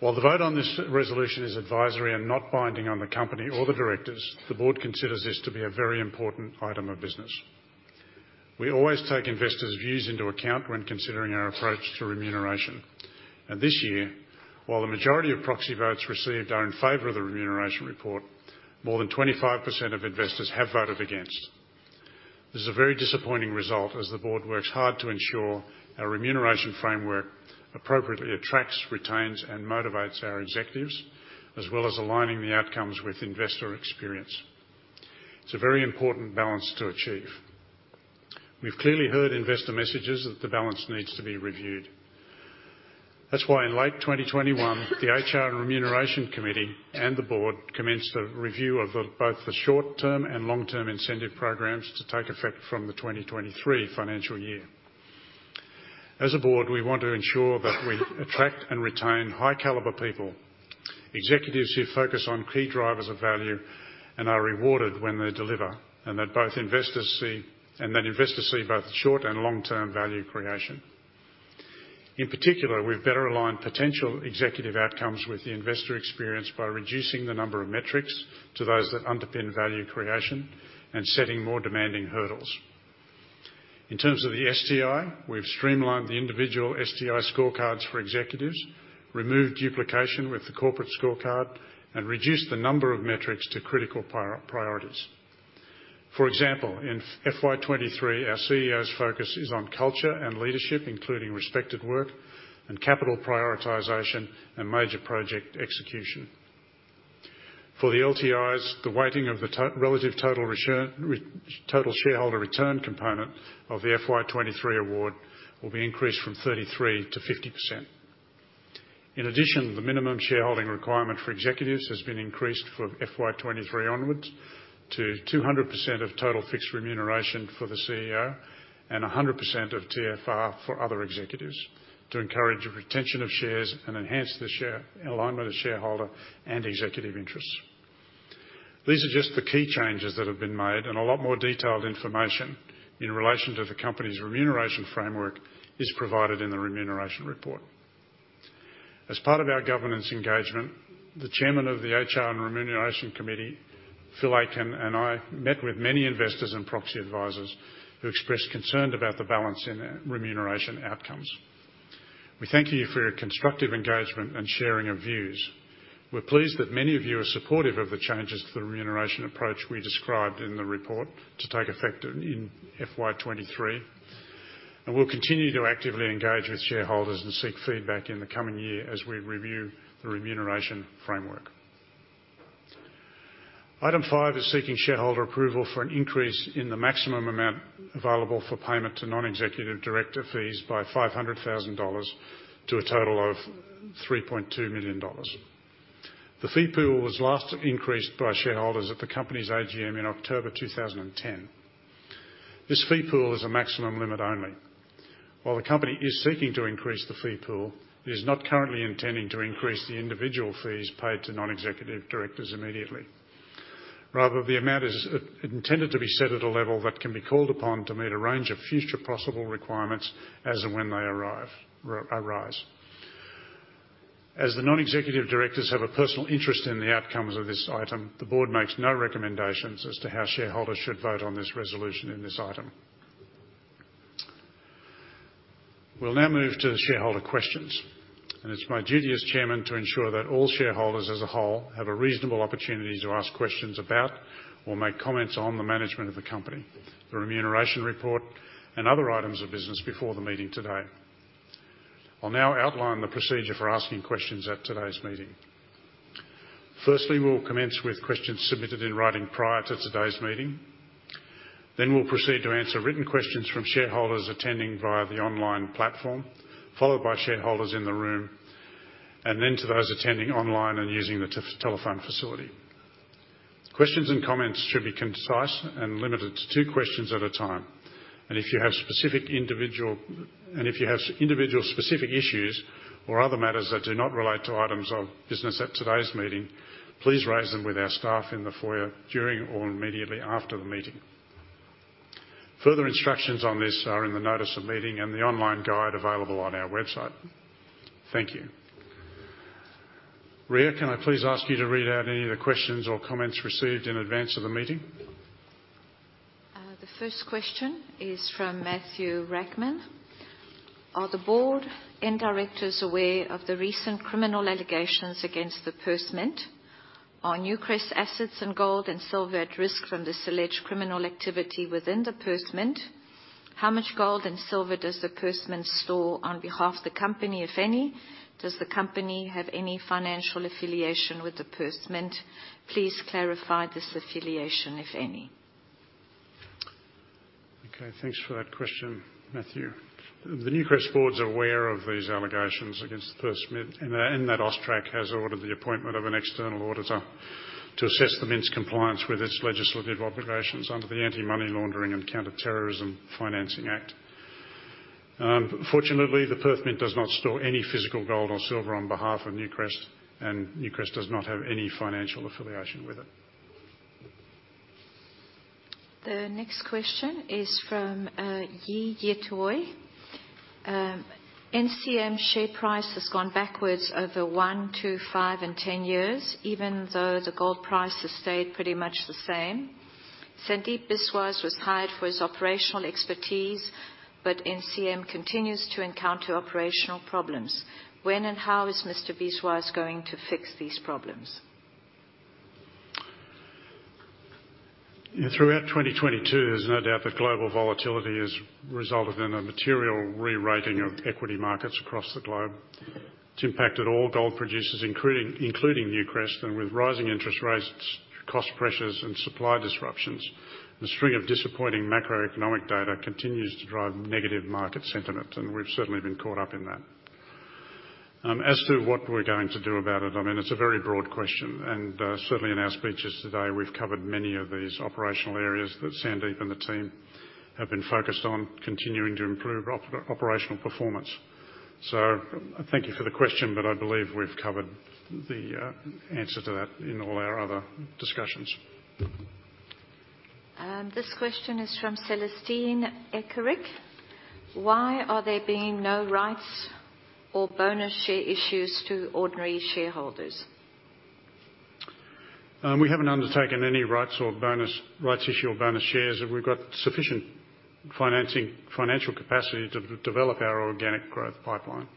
[SPEAKER 1] While the vote on this resolution is advisory and not binding on the company or the directors, the board considers this to be a very important item of business. We always take investors' views into account when considering our approach to remuneration. This year, while the majority of proxy votes received are in favor of the remuneration report, more than 25% of investors have voted against. This is a very disappointing result as the board works hard to ensure our remuneration framework appropriately attracts, retains, and motivates our executives, as well as aligning the outcomes with investor experience. It's a very important balance to achieve. We've clearly heard investor messages that the balance needs to be reviewed. That's why in late 2021, the HR and Remuneration Committee and the board commenced a review of both the short-term and long-term incentive programs to take effect from the 2023 financial year. As a board, we want to ensure that we attract and retain high caliber people, executives who focus on key drivers of value and are rewarded when they deliver, and that investors see both short and long-term value creation. In particular, we've better aligned potential executive outcomes with the investor experience by reducing the number of metrics to those that underpin value creation and setting more demanding hurdles. In terms of the STI, we've streamlined the individual STI scorecards for executives, removed duplication with the corporate scorecard, and reduced the number of metrics to critical priorities. For example, in FY 2023, our CEO's focus is on culture and leadership, including Respect@Work and capital prioritization and major project execution. For the LTIs, the weighting of the relative total shareholder return component of the FY 2023 award will be increased from 33% to 50%. In addition, the minimum shareholding requirement for executives has been increased from FY 2023 onwards to 200% of total fixed remuneration for the CEO and 100% of TFR for other executives to encourage a retention of shares and enhance the shareholder alignment of shareholder and executive interests. These are just the key changes that have been made, and a lot more detailed information in relation to the company's remuneration framework is provided in the Remuneration Report. As part of our governance engagement, the Chairman of the HR and Remuneration Committee, Philip Aiken, and I met with many investors and proxy advisors who expressed concern about the balance in their remuneration outcomes. We thank you for your constructive engagement and sharing of views. We're pleased that many of you are supportive of the changes to the remuneration approach we described in the report to take effect in FY 2023, and we'll continue to actively engage with shareholders and seek feedback in the coming year as we review the remuneration framework. Item five is seeking shareholder approval for an increase in the maximum amount available for payment to non-executive director fees by $ 500,000 to a total of $ 3.2 million. The fee pool was last increased by shareholders at the company's AGM in October 2010. This fee pool is a maximum limit only. While the company is seeking to increase the fee pool, it is not currently intending to increase the individual fees paid to non-executive directors immediately. Rather, the amount is intended to be set at a level that can be called upon to meet a range of future possible requirements as and when they arise. As the non-executive directors have a personal interest in the outcomes of this item, the board makes no recommendations as to how shareholders should vote on this resolution in this item. We'll now move to the shareholder questions, and it's my duty as chairman to ensure that all shareholders as a whole have a reasonable opportunity to ask questions about or make comments on the management of the company, the remuneration report, and other items of business before the meeting today. I'll now outline the procedure for asking questions at today's meeting. Firstly, we'll commence with questions submitted in writing prior to today's meeting. Then we'll proceed to answer written questions from shareholders attending via the online platform, followed by shareholders in the room, and then to those attending online and using the telephone facility. Questions and comments should be concise and limited to two questions at a time. If you have specific individual- If you have individual specific issues or other matters that do not relate to items of business at today's meeting, please raise them with our staff in the foyer during or immediately after the meeting. Further instructions on this are in the notice of meeting and the online guide available on our website. Thank you. Ria, can I please ask you to read out any of the questions or comments received in advance of the meeting?
[SPEAKER 2] The first question is from Matthew Rackman. "Are the board and directors aware of the recent criminal allegations against the Perth Mint? Are Newcrest assets and gold and silver at risk from this alleged criminal activity within the Perth Mint? How much gold and silver does the Perth Mint store on behalf of the company, if any? Does the company have any financial affiliation with the Perth Mint? Please clarify this affiliation, if any."
[SPEAKER 1] Okay, thanks for that question, Matthew Rackman. The Newcrest board's aware of these allegations against the Perth Mint in that AUSTRAC has ordered the appointment of an external auditor to assess the Mint's compliance with its legislative obligations under the Anti-Money Laundering and Counter-Terrorism Financing Act. Fortunately, the Perth Mint does not store any physical gold or silver on behalf of Newcrest, and Newcrest does not have any financial affiliation with it.
[SPEAKER 2] The next question is from [Yee Yetoi]. "NCM share price has gone backwards over one, two, five and 10 years, even though the gold price has stayed pretty much the same. Sandeep Biswas was hired for his operational expertise, but NCM continues to encounter operational problems. When and how is Mr. Biswas going to fix these problems?"
[SPEAKER 1] Yeah, throughout 2022, there's no doubt that global volatility has resulted in a material rewriting of equity markets across the globe. It's impacted all gold producers, including Newcrest. With rising interest rates, cost pressures, and supply disruptions, the string of disappointing macroeconomic data continues to drive negative market sentiment, and we've certainly been caught up in that. As to what we're going to do about it, I mean, it's a very broad question, and certainly in our speeches today, we've covered many of these operational areas that Sandeep and the team have been focused on continuing to improve operational performance. Thank you for the question, but I believe we've covered the answer to that in all our other discussions.
[SPEAKER 2] This question is from [Celestine Ekerik]. "Why are there being no rights or bonus share issues to ordinary shareholders?"
[SPEAKER 1] We haven't undertaken any rights issue or bonus shares. We've got sufficient financial capacity to develop our organic growth pipeline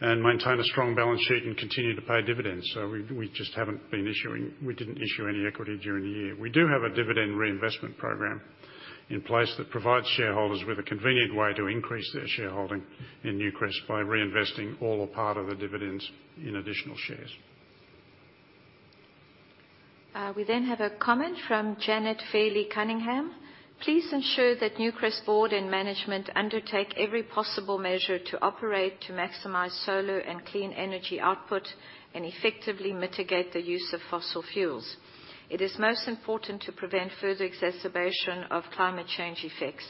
[SPEAKER 1] and maintain a strong balance sheet and continue to pay dividends. We just haven't been issuing. We didn't issue any equity during the year. We do have a dividend reinvestment program in place that provides shareholders with a convenient way to increase their shareholding in Newcrest by reinvesting all or part of the dividends in additional shares.
[SPEAKER 2] We have a comment from Janet Fairley-Cunningham. "Please ensure that Newcrest board and management undertake every possible measure to operate to maximize solar and clean energy output and effectively mitigate the use of fossil fuels. It is most important to prevent further exacerbation of climate change effects.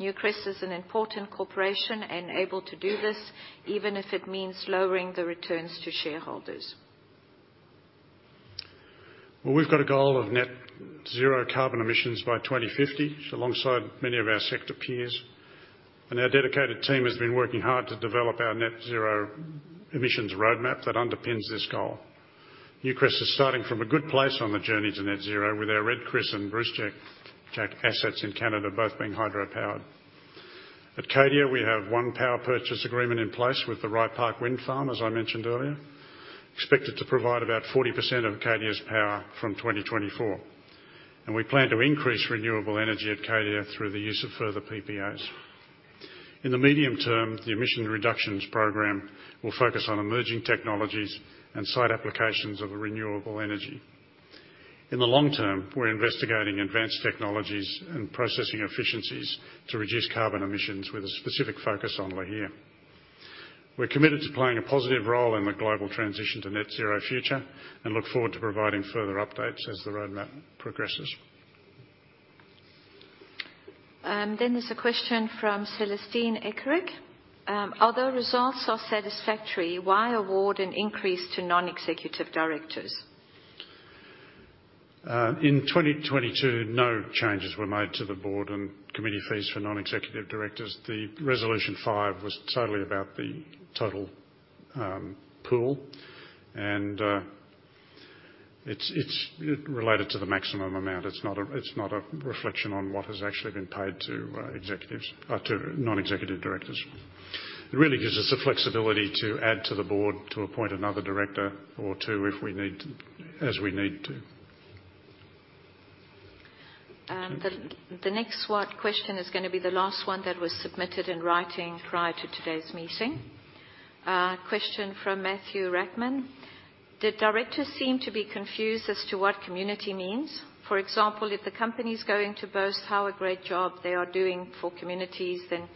[SPEAKER 2] Newcrest is an important corporation and able to do this, even if it means lowering the returns to shareholders."
[SPEAKER 1] Well, we've got a goal of net zero carbon emissions by 2050, alongside many of our sector peers. Our dedicated team has been working hard to develop our net zero emissions roadmap that underpins this goal. Newcrest is starting from a good place on the journey to net zero with our Red Chris and Brucejack assets in Canada both being hydropowered. At Cadia, we have one power purchase agreement in place with the Rye Park Wind Farm, as I mentioned earlier, expected to provide about 40% of Cadia's power from 2024. We plan to increase renewable energy at Cadia through the use of further PPAs. In the medium term, the emissions reductions program will focus on emerging technologies and site applications of renewable energy. In the long term, we're investigating advanced technologies and processing efficiencies to reduce carbon emissions with a specific focus on Lihir. We're committed to playing a positive role in the global transition to net zero future, and look forward to providing further updates as the roadmap progresses.
[SPEAKER 2] There's a question from [Celestine Ekerik]. "Although results are satisfactory, why award an increase to non-executive directors?"
[SPEAKER 1] In 2022, no changes were made to the board and committee fees for non-executive directors. Resolution five was totally about the total pool. It's related to the maximum amount. It's not a reflection on what has actually been paid to non-executive directors. It really gives us the flexibility to add to the board, to appoint another director or two if we need to, as we need to.
[SPEAKER 2] The next Q&A question is gonna be the last one that was submitted in writing prior to today's meeting. Question from Matthew Rackman: "The directors seem to be confused as to what community means. For example, if the company's going to boast how a great job they are doing for communities, then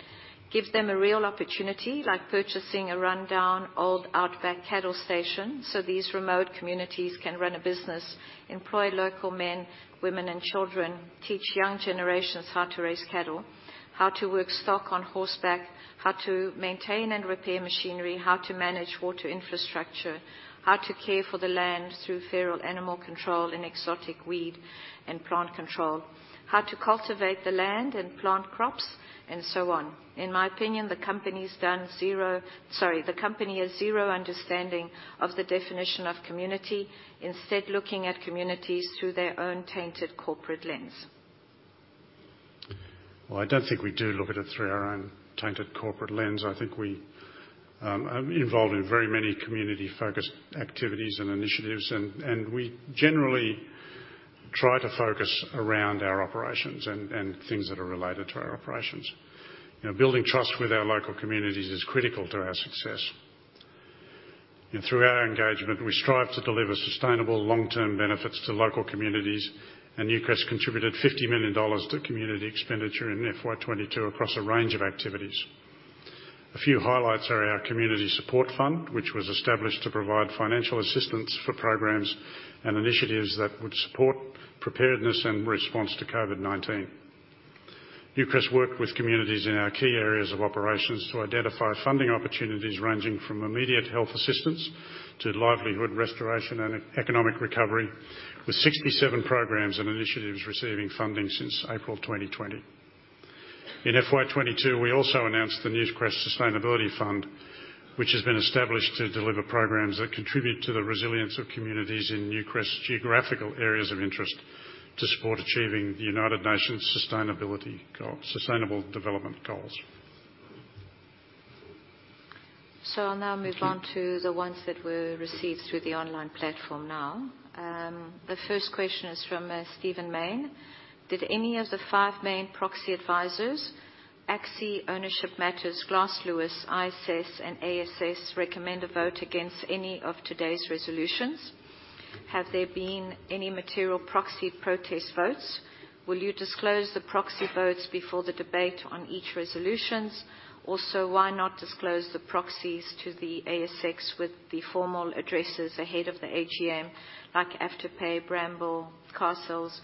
[SPEAKER 2] give them a real opportunity like purchasing a rundown old outback cattle station, so these remote communities can run a business, employ local men, women, and children, teach young generations how to raise cattle, how to work stock on horseback, how to maintain and repair machinery, how to manage water infrastructure, how to care for the land through feral animal control and exotic weed and plant control, how to cultivate the land and plant crops, and so on. In my opinion, the company has zero understanding of the definition of community, instead looking at communities through their own tainted corporate lens."
[SPEAKER 1] Well, I don't think we do look at it through our own tainted corporate lens. I think we involved in very many community-focused activities and initiatives and we generally try to focus around our operations and things that are related to our operations. You know, building trust with our local communities is critical to our success. Through our engagement, we strive to deliver sustainable long-term benefits to local communities, and Newcrest contributed $50 million to community expenditure in FY 2022 across a range of activities. A few highlights are our community support fund, which was established to provide financial assistance for programs and initiatives that would support preparedness and response to COVID-19. Newcrest worked with communities in our key areas of operations to identify funding opportunities ranging from immediate health assistance to livelihood restoration and economic recovery, with 67 programs and initiatives receiving funding since April 2020. In FY 2022, we also announced the Newcrest Sustainability Fund, which has been established to deliver programs that contribute to the resilience of communities in Newcrest's geographical areas of interest to support achieving the United Nations sustainability goal, sustainable development goals.
[SPEAKER 2] I'll now move on to the ones that were received through the online platform now. The first question is from Stephen Mayne. "Did any of the five main proxy advisors, ACSI, Ownership Matters, Glass Lewis, ISS, and ASA, recommend a vote against any of today's resolutions? Have there been any material proxy protest votes? Will you disclose the proxy votes before the debate on each resolutions? Also, why not disclose the proxies to the ASX with the formal addresses ahead of the AGM like Afterpay, Brambles, Carsales,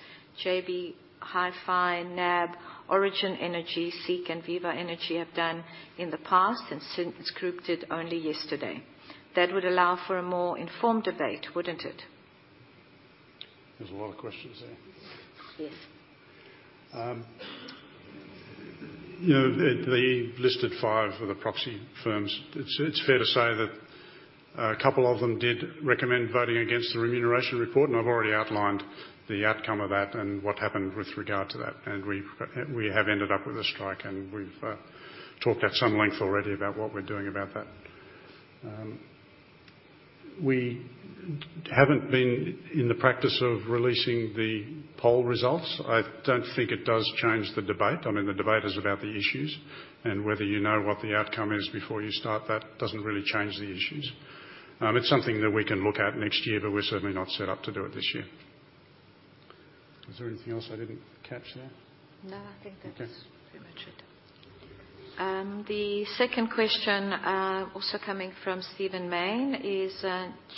[SPEAKER 2] JB Hi-Fi, NAB, Origin Energy, SEEK, and Viva Energy have done in the past, and Suncorp Group did only yesterday? That would allow for a more informed debate, wouldn't it?"
[SPEAKER 1] There's a lot of questions there. You know, the listed five of the proxy firms. It's fair to say that a couple of them did recommend voting against the remuneration report, and I've already outlined the outcome of that and what happened with regard to that. We've, we have ended up with a strike, and we've talked at some length already about what we're doing about that. We haven't been in the practice of releasing the poll results. I don't think it does change the debate. I mean, the debate is about the issues and whether you know what the outcome is before you start that doesn't really change the issues. It's something that we can look at next year, but we're certainly not set up to do it this year. Is there anything else I didn't catch there?
[SPEAKER 2] No, I think that's pretty much it. The second question also coming from Stephen Mayne is,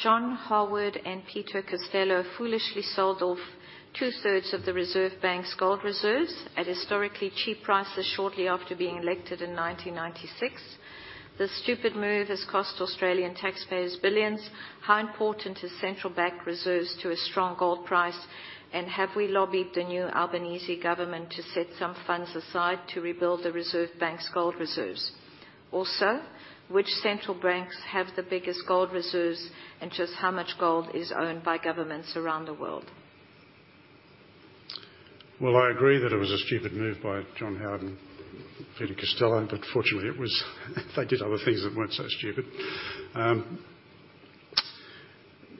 [SPEAKER 2] "John Howard and Peter Costello foolishly sold off two-thirds of the Reserve Bank's gold reserves at historically cheap prices shortly after being elected in 1996. This stupid move has cost Australian taxpayers billions. How important is central bank reserves to a strong gold price? And have we lobbied the new Albanese government to set some funds aside to rebuild the Reserve Bank's gold reserves? Also, which central banks have the biggest gold reserves, and just how much gold is owned by governments around the world?
[SPEAKER 1] Well, I agree that it was a stupid move by John Howard and Peter Costello, but fortunately, they did other things that weren't so stupid.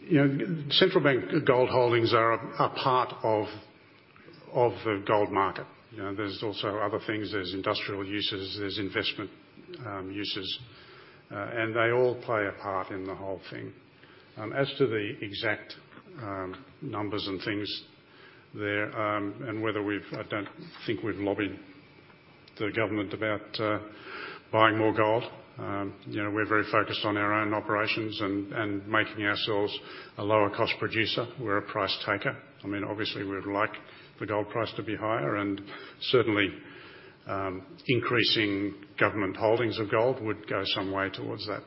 [SPEAKER 1] You know, central bank gold holdings are part of the gold market. You know, there's also other things. There's industrial uses, there's investment uses, and they all play a part in the whole thing. As to the exact numbers and things there, and whether we've lobbied the government about buying more gold. You know, we're very focused on our own operations and making ourselves a lower cost producer. We're a price taker. I mean, obviously we would like the gold price to be higher and certainly, increasing government holdings of gold would go some way towards that.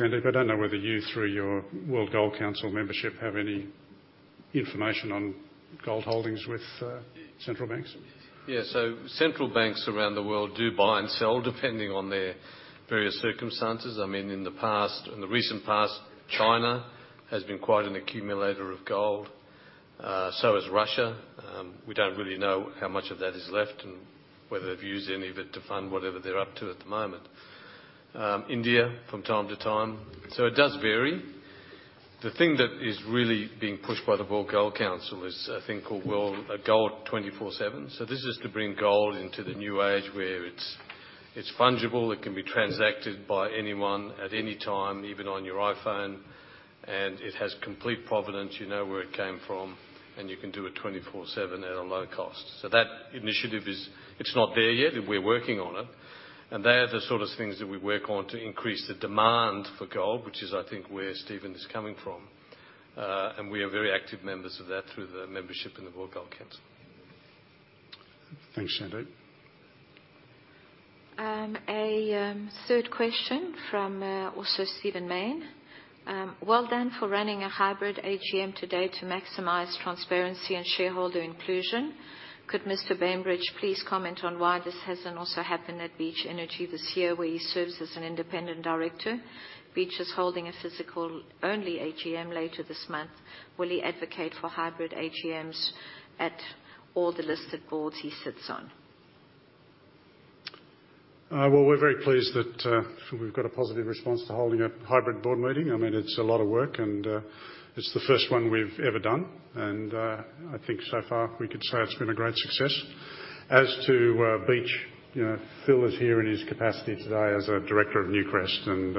[SPEAKER 1] Sandeep, I don't know whether you, through your World Gold Council membership, have any information on gold holdings with central banks.
[SPEAKER 3] Central banks around the world do buy and sell depending on their various circumstances. I mean, in the past, in the recent past, China has been quite an accumulator of gold. So has Russia. We don't really know how much of that is left and whether they've used any of it to fund whatever they're up to at the moment. India from time to time. So it does vary. The thing that is really being pushed by the World Gold Council is a thing called World Gold 24/7. This is to bring gold into the new age where it's fungible, it can be transacted by anyone at any time, even on your iPhone, and it has complete provenance. You know where it came from, and you can do it 24/7 at a low cost. So that initiative is. It's not there yet. We're working on it. They are the sort of things that we work on to increase the demand for gold, which is, I think, where Steven is coming from. We are very active members of that through the membership in the World Gold Council.
[SPEAKER 1] Thanks, Sandeep.
[SPEAKER 2] A third question from also Stephen Mayne. "Well done for running a hybrid AGM today to maximize transparency and shareholder inclusion. Could Mr. Bainbridge please comment on why this hasn't also happened at Beach Energy this year, where he serves as an independent director? Beach is holding a physical only AGM later this month. Will he advocate for hybrid AGMs at all the listed boards he sits on?"
[SPEAKER 1] Well, we're very pleased that we've got a positive response to holding a hybrid board meeting. I mean, it's a lot of work and it's the first one we've ever done. I think so far we could say it's been a great success. As to Beach, you know, Phil is here in his capacity today as a director of Newcrest, and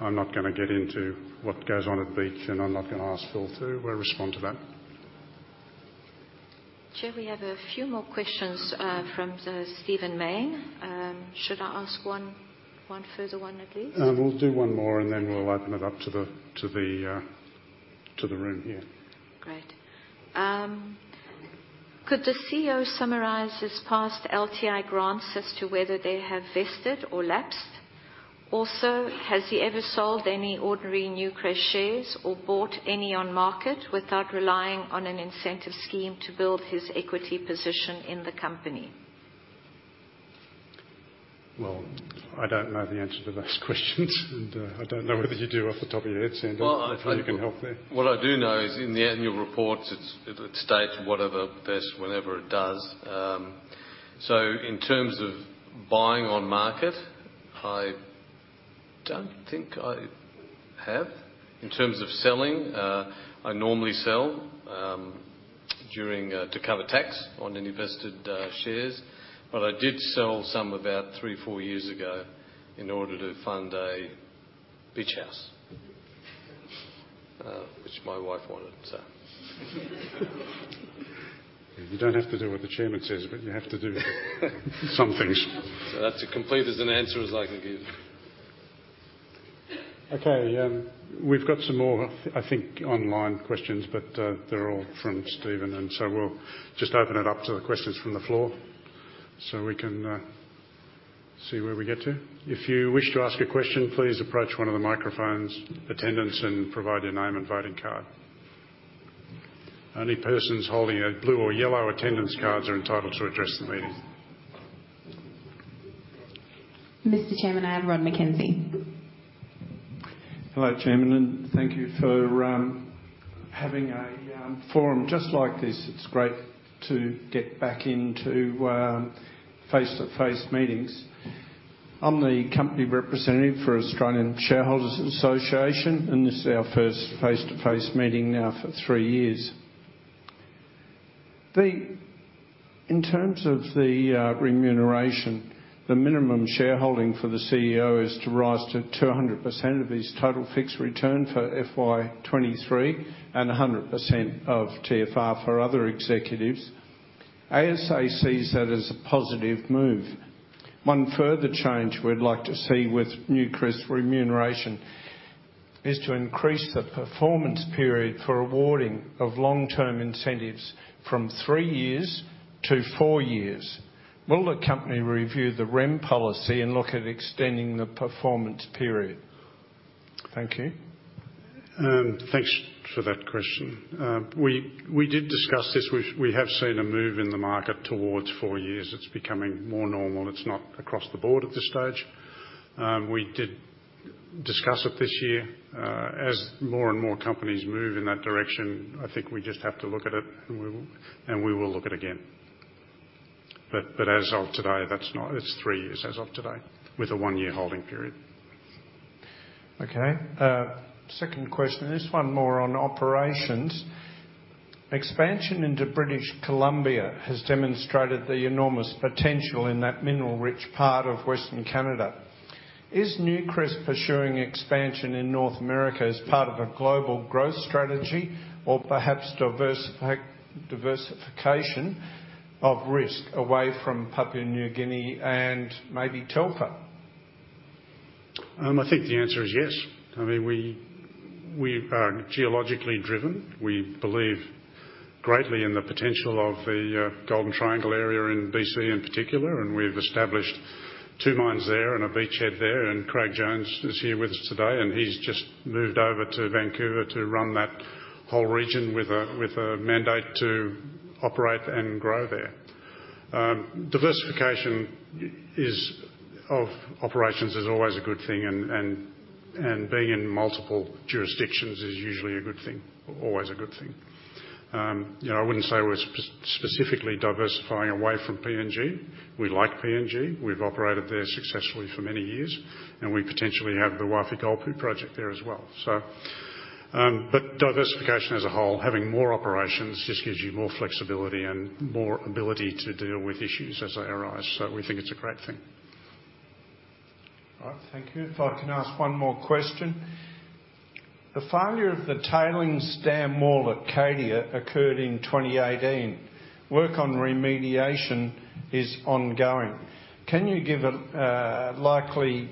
[SPEAKER 1] I'm not gonna get into what goes on at Beach, and I'm not gonna ask Phil to respond to that.
[SPEAKER 2] Chair, we have a few more questions from Stephen Mayne. Should I ask one further one at least?
[SPEAKER 1] We'll do one more and then we'll open it up to the room here.
[SPEAKER 2] Great. "Could the CEO summarize his past LTI grants as to whether they have vested or lapsed? Also, has he ever sold any ordinary Newcrest shares or bought any on market without relying on an incentive scheme to build his equity position in the company?"
[SPEAKER 1] Well, I don't know the answer to those questions, and I don't know whether you do off the top of your head, Sandeep.
[SPEAKER 3] Well, I think....
[SPEAKER 1] If you can help there.
[SPEAKER 3] What I do know is in the annual reports, it states whatever vests, whenever it does. In terms of buying on market, I don't think I have. In terms of selling, I normally sell during to cover tax on any vested shares, but I did sell some about three, four years ago in order to fund a beach house, which my wife wanted.
[SPEAKER 1] You don't have to do what the chairman says, but you have to do some things.
[SPEAKER 3] That's as complete as an answer as I can give.
[SPEAKER 1] Okay. We've got some more, I think, online questions, but they're all from Stephen, and so we'll just open it up to the questions from the floor so we can see where we get to. If you wish to ask a question, please approach one of the microphone attendants and provide your name and voting card. Only persons holding a blue or yellow attendance card are entitled to address the meeting.
[SPEAKER 2] Mr. Chairman, I have Rod McKenzie.
[SPEAKER 6] Hello, Chairman, and thank you for having a forum just like this. It's great to get back into face-to-face meetings. I'm the company representative for Australian Shareholders' Association and this is our first face-to-face meeting now for three years. In terms of the remuneration, the minimum shareholding for the CEO is to rise to 200% of his total fixed return for FY 2023 and 100% of TFR for other executives. ASA sees that as a positive move. One further change we'd like to see with Newcrest remuneration is to increase the performance period for awarding of long-term incentives from three years to four years. Will the company review the REM policy and look at extending the performance period? Thank you.
[SPEAKER 1] Thanks for that question. We did discuss this. We have seen a move in the market towards four years. It's becoming more normal. It's not across the board at this stage. We did discuss it this year. As more and more companies move in that direction, I think we just have to look at it and we will look at it again. As of today, that's not. It's three years as of today with a one-year holding period.
[SPEAKER 6] Okay. Second question. This one more on operations. Expansion into British Columbia has demonstrated the enormous potential in that mineral rich part of Western Canada. Is Newcrest pursuing expansion in North America as part of a global growth strategy, or perhaps diversification of risk away from Papua New Guinea and maybe Telfer?
[SPEAKER 1] I think the answer is yes. I mean, we are geologically driven. We believe greatly in the potential of the Golden Triangle area in BC in particular, and we've established two mines there and a beachhead there. Craig Jones is here with us today, and he's just moved over to Vancouver to run that whole region with a mandate to operate and grow there. Diversification of operations is always a good thing, and being in multiple jurisdictions is usually a good thing, always a good thing. You know, I wouldn't say we're specifically diversifying away from PNG. We like PNG. We've operated there successfully for many years, and we potentially have the Wafi-Golpu project there as well. Diversification as a whole, having more operations just gives you more flexibility and more ability to deal with issues as they arise, so we think it's a great thing.
[SPEAKER 6] All right, thank you. If I can ask one more question. The failure of tailings dam wall at Cadia occurred in 2018. Work on remediation is ongoing. Can you give a likely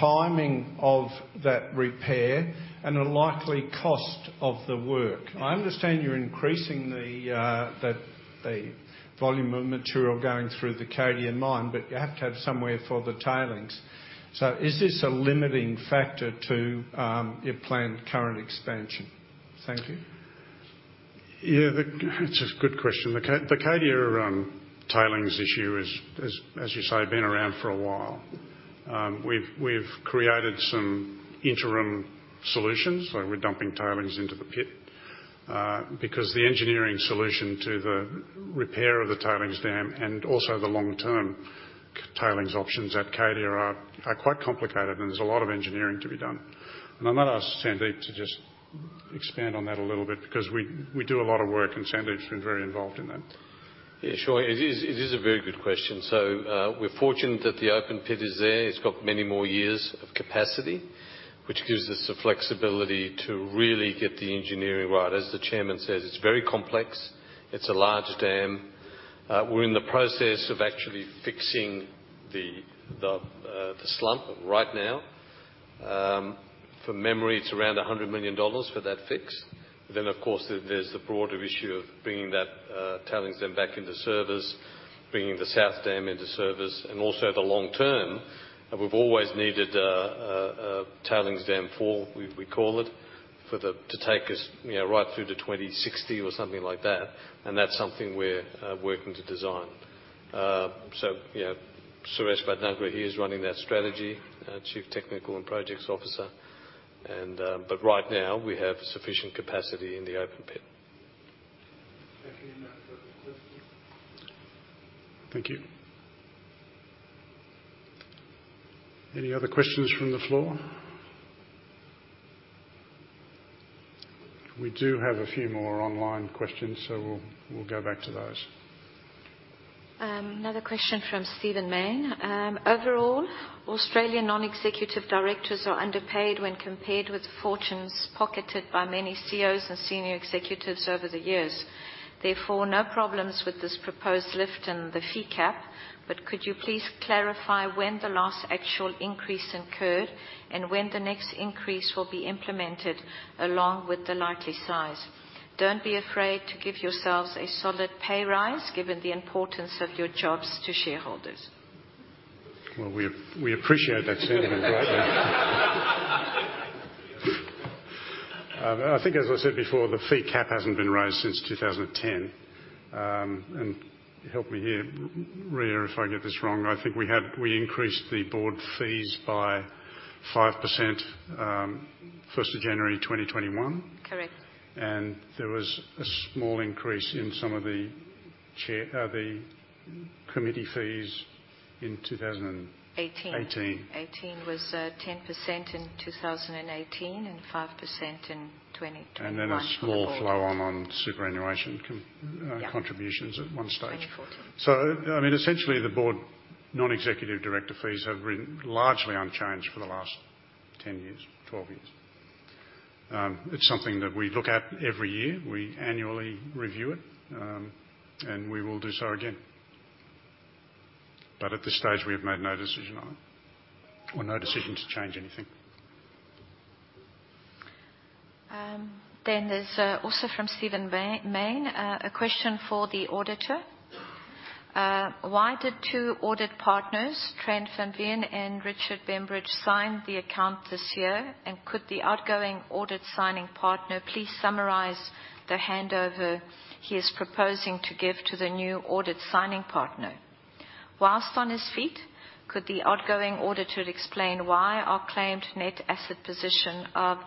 [SPEAKER 6] timing of that repair and a likely cost of the work? I understand you're increasing the volume of material going through the Cadia mine, but you have to have somewhere for the tailings. Is this a limiting factor to your planned current expansion? Thank you.
[SPEAKER 1] Yeah. It's a good question. The Cadia Tailings issue is, as you say, been around for a while. We've created some interim solutions. We're dumping tailings into the pit because the engineering solution to the repair of tailings dam and also the long-term Tailings options at Cadia are quite complicated, and there's a lot of engineering to be done. I might ask Sandeep to just expand on that a little bit because we do a lot of work, and Sandeep's been very involved in that.
[SPEAKER 3] Yeah, sure. It is a very good question. We're fortunate that the open pit is there. It's got many more years of capacity, which gives us the flexibility to really get the engineering right. As the chairman says, it's very complex. It's a large dam. We're in the process of actually fixing the slump right now. From memory, it's around $100 million for that fix. Then, of course, there's the broader issue of bringing tailings dam back into service, bringing the south dam into service and also the long term. We've always needed tailings dam for, we call it, to take us, you know, right through to 2060 or something like that, and that's something we're working to design. You know, Suresh Vadnagra, he is running that strategy, our Chief Technical and Projects Officer. Right now, we have sufficient capacity in the open pit.
[SPEAKER 6] Thank you.
[SPEAKER 1] Thank you. Any other questions from the floor? We do have a few more online questions, so we'll go back to those.
[SPEAKER 2] Another question from Stephen Mayne. "Overall, Australian non-executive directors are underpaid when compared with fortunes pocketed by many CEOs and senior executives over the years. Therefore, no problems with this proposed lift in the fee cap, but could you please clarify when the last actual increase incurred and when the next increase will be implemented, along with the likely size? Don't be afraid to give yourselves a solid pay rise given the importance of your jobs to shareholders."
[SPEAKER 1] Well, we appreciate that sentiment greatly. I think as I said before, the fee cap hasn't been raised since 2010. Help me here, Ria, if I get this wrong. I think we increased the board fees by 5%, first of January 2021.
[SPEAKER 2] Correct.
[SPEAKER 1] There was a small increase in some of the chair, the committee fees in 2000 and...
[SPEAKER 2] Eighteen.
[SPEAKER 1] ...eighteen.
[SPEAKER 2] 2018 was 10% in 2018, and 5% in 2021...
[SPEAKER 1] A small flow on superannuation...
[SPEAKER 2] Yeah.
[SPEAKER 1] ...contributions at one stage.
[SPEAKER 2] 2014.
[SPEAKER 1] I mean, essentially, the board non-executive director fees have been largely unchanged for the last 10 years, 12 years. It's something that we look at every year. We annually review it, and we will do so again. At this stage, we have made no decision on it or no decision to change anything.
[SPEAKER 2] There's also from Stephen Mayne a question for the auditor. "Why did two audit partners, Trent van Veen and Richard Bembridge, sign the account this year? Could the outgoing audit signing partner please summarize the handover he is proposing to give to the new audit signing partner? While on his feet, could the outgoing auditor explain why our claimed net asset position of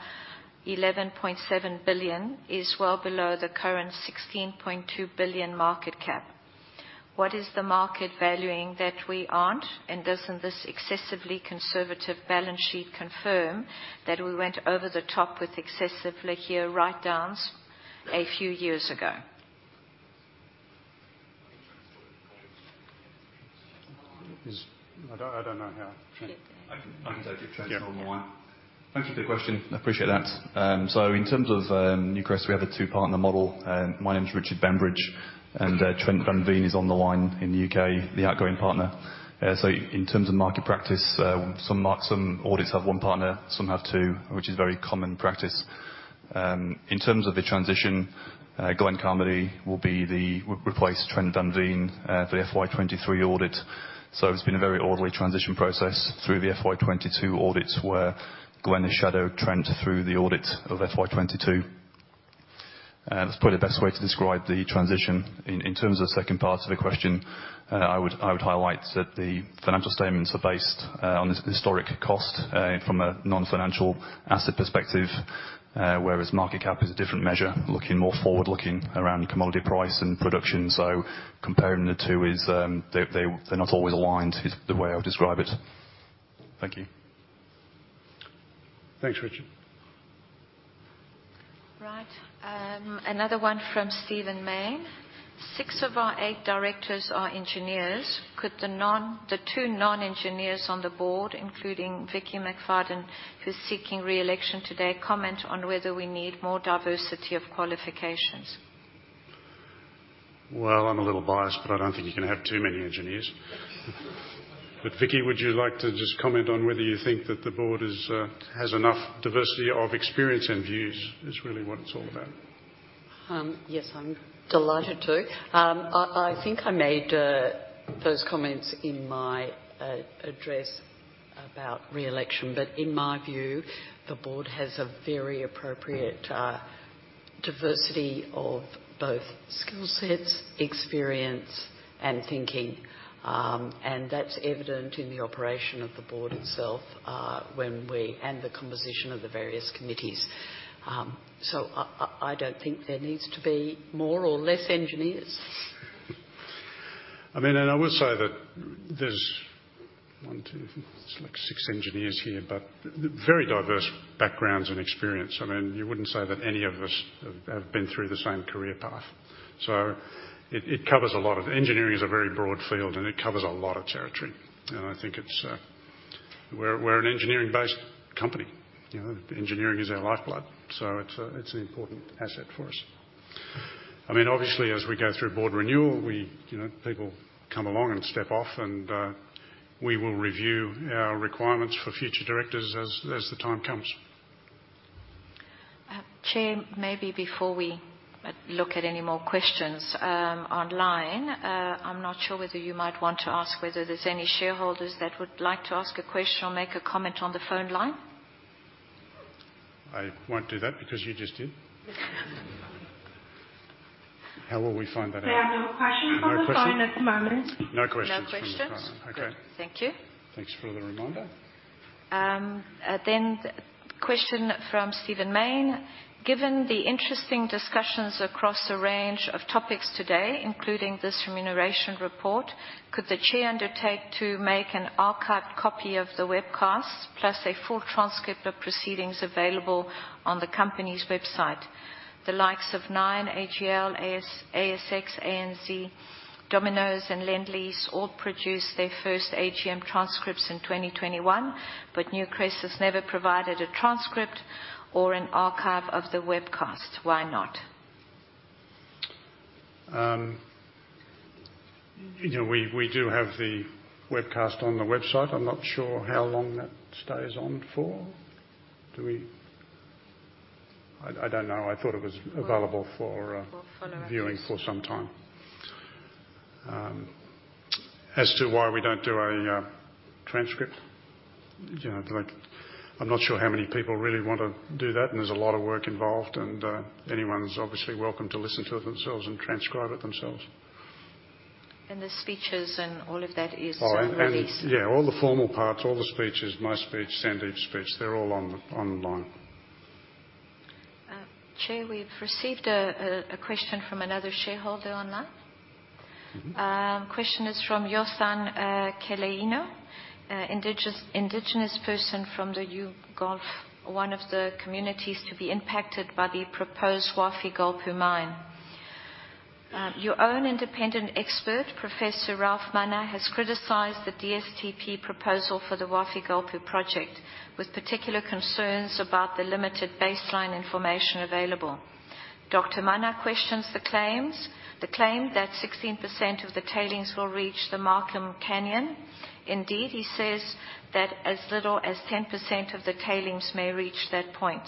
[SPEAKER 2] $11.7 billion is well below the current $16.2 billion market cap? What is the market valuing that we aren't? Doesn't this excessively conservative balance sheet confirm that we went over the top with excessive Lihir write-downs a few years ago?"
[SPEAKER 1] I don't know how.
[SPEAKER 7] I can take it. Trent's on the line.
[SPEAKER 1] Yeah.
[SPEAKER 7] Thank you for the question. I appreciate that. In terms of Newcrest, we have a two-partner model. My name is Richard Bembridge, and Trent van Veen is on the line in the UK, the outgoing partner. In terms of market practice, some audits have one partner, some have two, which is very common practice. In terms of the transition, Glenn Carmody will replace Trent van Veen for the FY 2023 audit. It's been a very orderly transition process through the FY 2022 audits, where Glenn has shadowed Trent through the audit of FY 2022. That's probably the best way to describe the transition. In terms of second part of the question, I would highlight that the financial statements are based on historic cost from a non-financial asset perspective, whereas market cap is a different measure, looking more forward-looking around commodity price and production. Comparing the two is, they're not always aligned, is the way I would describe it. Thank you.
[SPEAKER 1] Thanks, Richard.
[SPEAKER 2] Right. Another one from Stephen Mayne. "Six of our eight directors are engineers. Could the two non-engineers on the board, including Vickki McFadden, who's seeking re-election today, comment on whether we need more diversity of qualifications?"
[SPEAKER 1] Well, I'm a little biased, but I don't think you can have too many engineers. Vickki, would you like to just comment on whether you think that the board is, has enough diversity of experience and views, is really what it's all about.
[SPEAKER 5] Yes, I'm delighted to. I think I made those comments in my address about re-election. In my view, the board has a very appropriate diversity of both skill sets, experience, and thinking. That's evident in the operation of the board itself and the composition of the various committees. I don't think there needs to be more or less engineers.
[SPEAKER 1] I mean, I would say that there's like six engineers here, but very diverse backgrounds and experience. I mean, you wouldn't say that any of us have been through the same career path. It covers a lot. Engineering is a very broad field, and it covers a lot of territory. I think it's- we're an engineering-based company. You know, engineering is our lifeblood, so it's an important asset for us. I mean, obviously, as we go through board renewal, we, you know, people come along and step off, we will review our requirements for future directors as the time comes.
[SPEAKER 2] Chair, maybe before we look at any more questions, online, I'm not sure whether you might want to ask whether there's any shareholders that would like to ask a question or make a comment on the phone line.
[SPEAKER 1] I won't do that because you just did. How will we find that out?
[SPEAKER 8] There are no questions on the phone at the moment.
[SPEAKER 1] No questions?
[SPEAKER 2] No questions.
[SPEAKER 1] No questions from the phone. Okay.
[SPEAKER 2] Thank you.
[SPEAKER 1] Thanks for the reminder.
[SPEAKER 2] Question from Stephen Mayne. "Given the interesting discussions across a range of topics today, including this remuneration report, could the Chair undertake to make an archived copy of the webcast plus a full transcript of proceedings available on the company's website? The likes of Nine, AGL, ASX, ANZ, Domino's, and Lendlease all produced their first AGM transcripts in 2021, but Newcrest has never provided a transcript or an archive of the webcast. Why not?"
[SPEAKER 1] You know, we do have the webcast on the website. I'm not sure how long that stays on for. I don't know. I thought it was available for...
[SPEAKER 2] We'll follow up.
[SPEAKER 1] ...viewing for some time. As to why we don't do a transcript. You know, like, I'm not sure how many people really wanna do that, and there's a lot of work involved, and anyone's obviously welcome to listen to it themselves and transcribe it themselves.
[SPEAKER 2] The speeches and all of that is released.
[SPEAKER 1] Oh, yeah, all the formal parts, all the speeches, my speech, Sandeep's speech, they're all online.
[SPEAKER 2] Chair, we've received a question from another shareholder online. Question is from Jotham Keleino, Indigenous person from the Huon Gulf, one of the communities to be impacted by the proposed Wafi-Golpu mine. "Your own independent expert, Professor Ralph Mana, has criticized the DSTP proposal for the Wafi-Golpu project, with particular concerns about the limited baseline information available. Dr. Mana questions the claim that 16% of the tailings will reach the Markham Canyon. Indeed, he says that as little as 10% of the tailings may reach that point."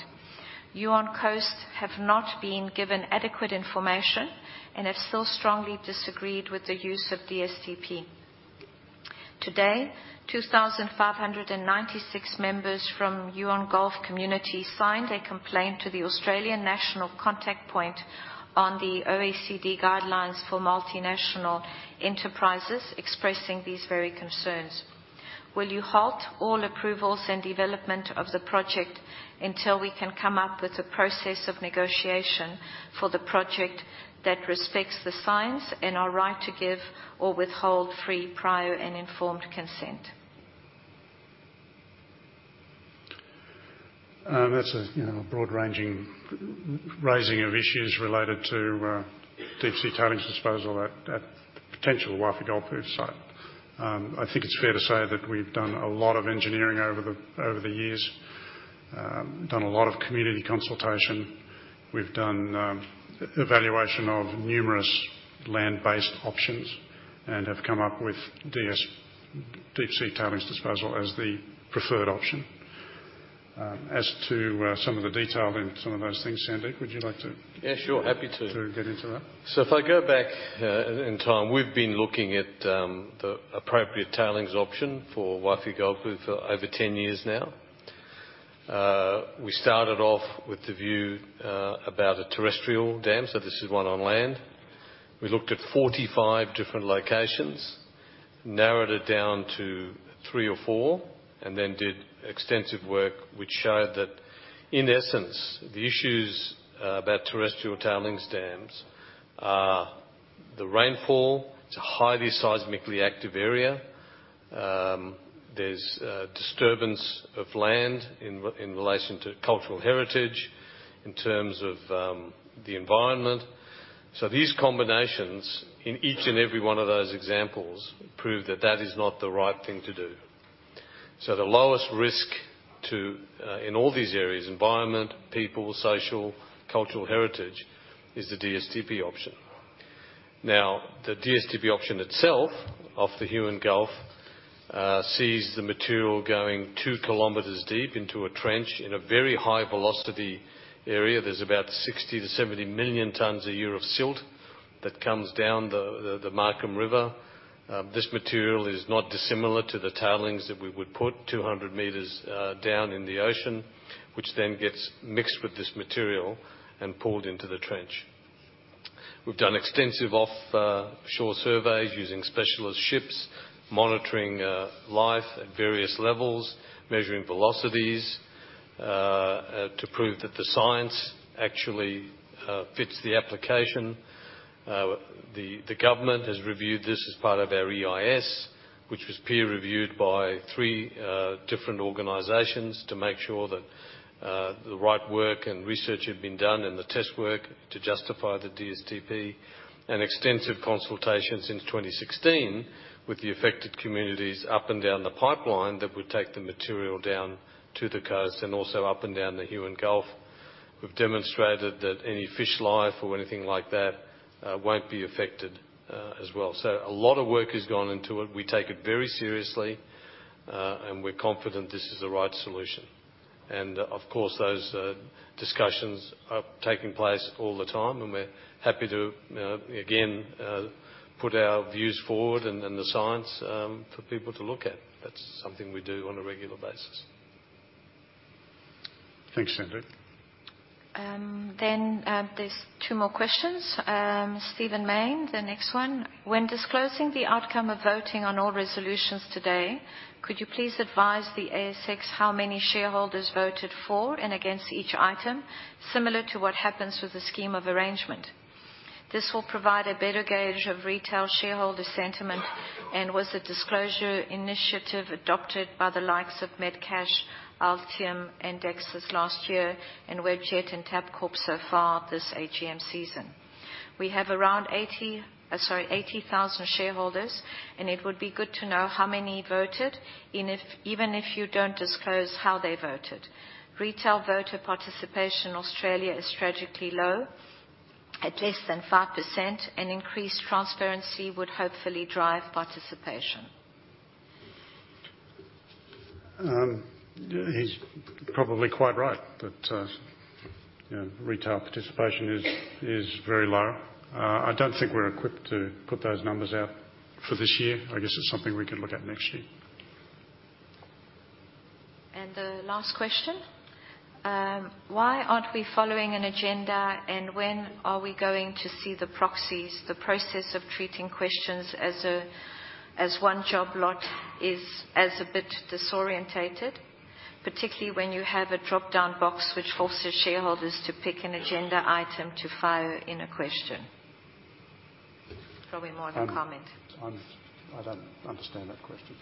[SPEAKER 2] "Huon Coast have not been given adequate information and have still strongly disagreed with the use of DSTP. Today, 2,596 members from Huon Gulf community signed a complaint to the Australian National Contact Point on the OECD guidelines for multinational enterprises expressing these very concerns. Will you halt all approvals and development of the project until we can come up with a process of negotiation for the project that respects the science and our right to give or withhold free, prior, and informed consent?"
[SPEAKER 1] That's a, you know, broad ranging raising of issues related to deep-sea tailings disposal at the potential Wafi-Golpu site. I think it's fair to say that we've done a lot of engineering over the years. Done a lot of community consultation. We've done evaluation of numerous land-based options and have come up with deep-sea tailings disposal as the preferred option. As to some of the detail in some of those things, Sandeep, would you like to...
[SPEAKER 3] Yeah, sure. Happy to.
[SPEAKER 1] ...to get into that?
[SPEAKER 3] If I go back in time, we've been looking at the appropriate tailings option for Wafi-Golpu for over 10 years now. We started off with the view about a terrestrial dam, so this is one on land. We looked at 45 different locations, narrowed it down to three or four, and then did extensive work which showed that in essence, the issues about tailings dams are the rainfall. It's a highly seismically active area. There's disturbance of land in relation to cultural heritage, in terms of the environment. These combinations in each and every one of those examples prove that that is not the right thing to do. The lowest risk in all these areas, environment, people, social, cultural heritage, is the DSTP option. Now, the DSTP option itself, off the Huon Gulf, sees the material going 2 km deep into a trench in a very high velocity area. There's about 60-70 million tons a year of silt that comes down the Markham River. This material is not dissimilar to the tailings that we would put 200 m down in the ocean, which then gets mixed with this material and pulled into the trench. We've done extensive offshore surveys using specialist ships, monitoring life at various levels, measuring velocities, to prove that the science actually fits the application. The government has reviewed this as part of our EIS, which was peer-reviewed by three different organizations to make sure that the right work and research had been done and the test work to justify the DSTP. Extensive consultations since 2016 with the affected communities up and down the pipeline that would take the material down to the coast and also up and down the Huon Gulf. We've demonstrated that any fish life or anything like that won't be affected, as well. A lot of work has gone into it. We take it very seriously, and we're confident this is the right solution. Of course, those discussions are taking place all the time, and we're happy to again put our views forward and the science for people to look at. That's something we do on a regular basis.
[SPEAKER 1] Thanks, Sandeep.
[SPEAKER 2] There's two more questions. Stephen Mayne, the next one. "When disclosing the outcome of voting on all resolutions today, could you please advise the ASX how many shareholders voted for and against each item, similar to what happens with the scheme of arrangement? This will provide a better gauge of retail shareholder sentiment and was a disclosure initiative adopted by the likes of Metcash, Altium, and Dexus last year, and Webjet and Tabcorp so far this AGM season. We have around 80,000 shareholders, and it would be good to know how many voted, even if you don't disclose how they voted. Retail voter participation in Australia is tragically low, at less than 5%, and increased transparency would hopefully drive participation."
[SPEAKER 1] He's probably quite right that, you know, retail participation is very low. I don't think we're equipped to put those numbers out for this year. I guess it's something we can look at next year.
[SPEAKER 2] The last question. Why aren't we following an agenda, and when are we going to see the proxies? The process of treating questions as one job lot is a bit disoriented, particularly when you have a dropdown box which forces shareholders to pick an agenda item to fill in a question. Probably more of a comment.
[SPEAKER 1] I don't understand that question.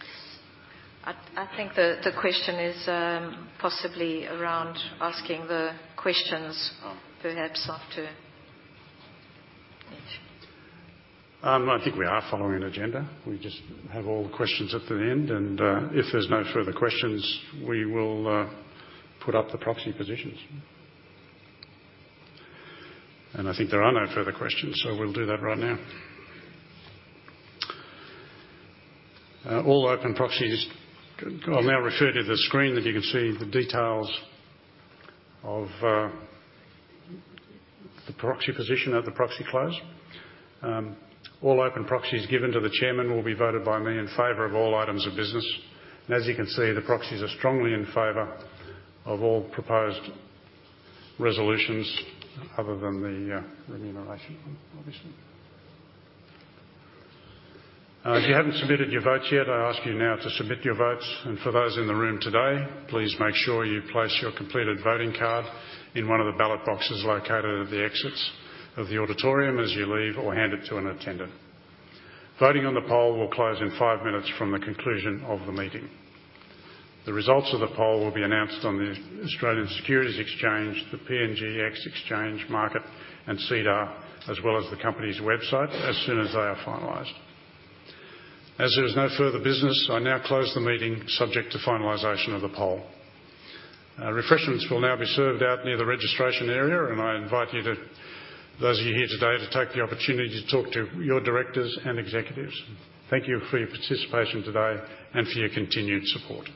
[SPEAKER 2] I think the question is possibly around asking the questions perhaps after each.
[SPEAKER 1] I think we are following an agenda. We just have all the questions at the end, and if there's no further questions, we will put up the proxy positions. I think there are no further questions, so we'll do that right now. All open proxies. I'll now refer to the screen that you can see the details of the proxy position at the proxy close. All open proxies given to the chairman will be voted by me in favor of all items of business. As you can see, the proxies are strongly in favor of all proposed resolutions other than the remuneration one, obviously. If you haven't submitted your votes yet, I ask you now to submit your votes. For those in the room today, please make sure you place your completed voting card in one of the ballot boxes located at the exits of the auditorium as you leave or hand it to an attendant. Voting on the poll will close in five minutes from the conclusion of the meeting. The results of the poll will be announced on the Australian Securities Exchange, the PNGX Markets, and SEDAR, as well as the company's website as soon as they are finalized. As there is no further business, I now close the meeting subject to finalization of the poll. Refreshments will now be served out near the registration area, and I invite you to, those of you here today, to take the opportunity to talk to your directors and executives. Thank you for your participation today and for your continued support.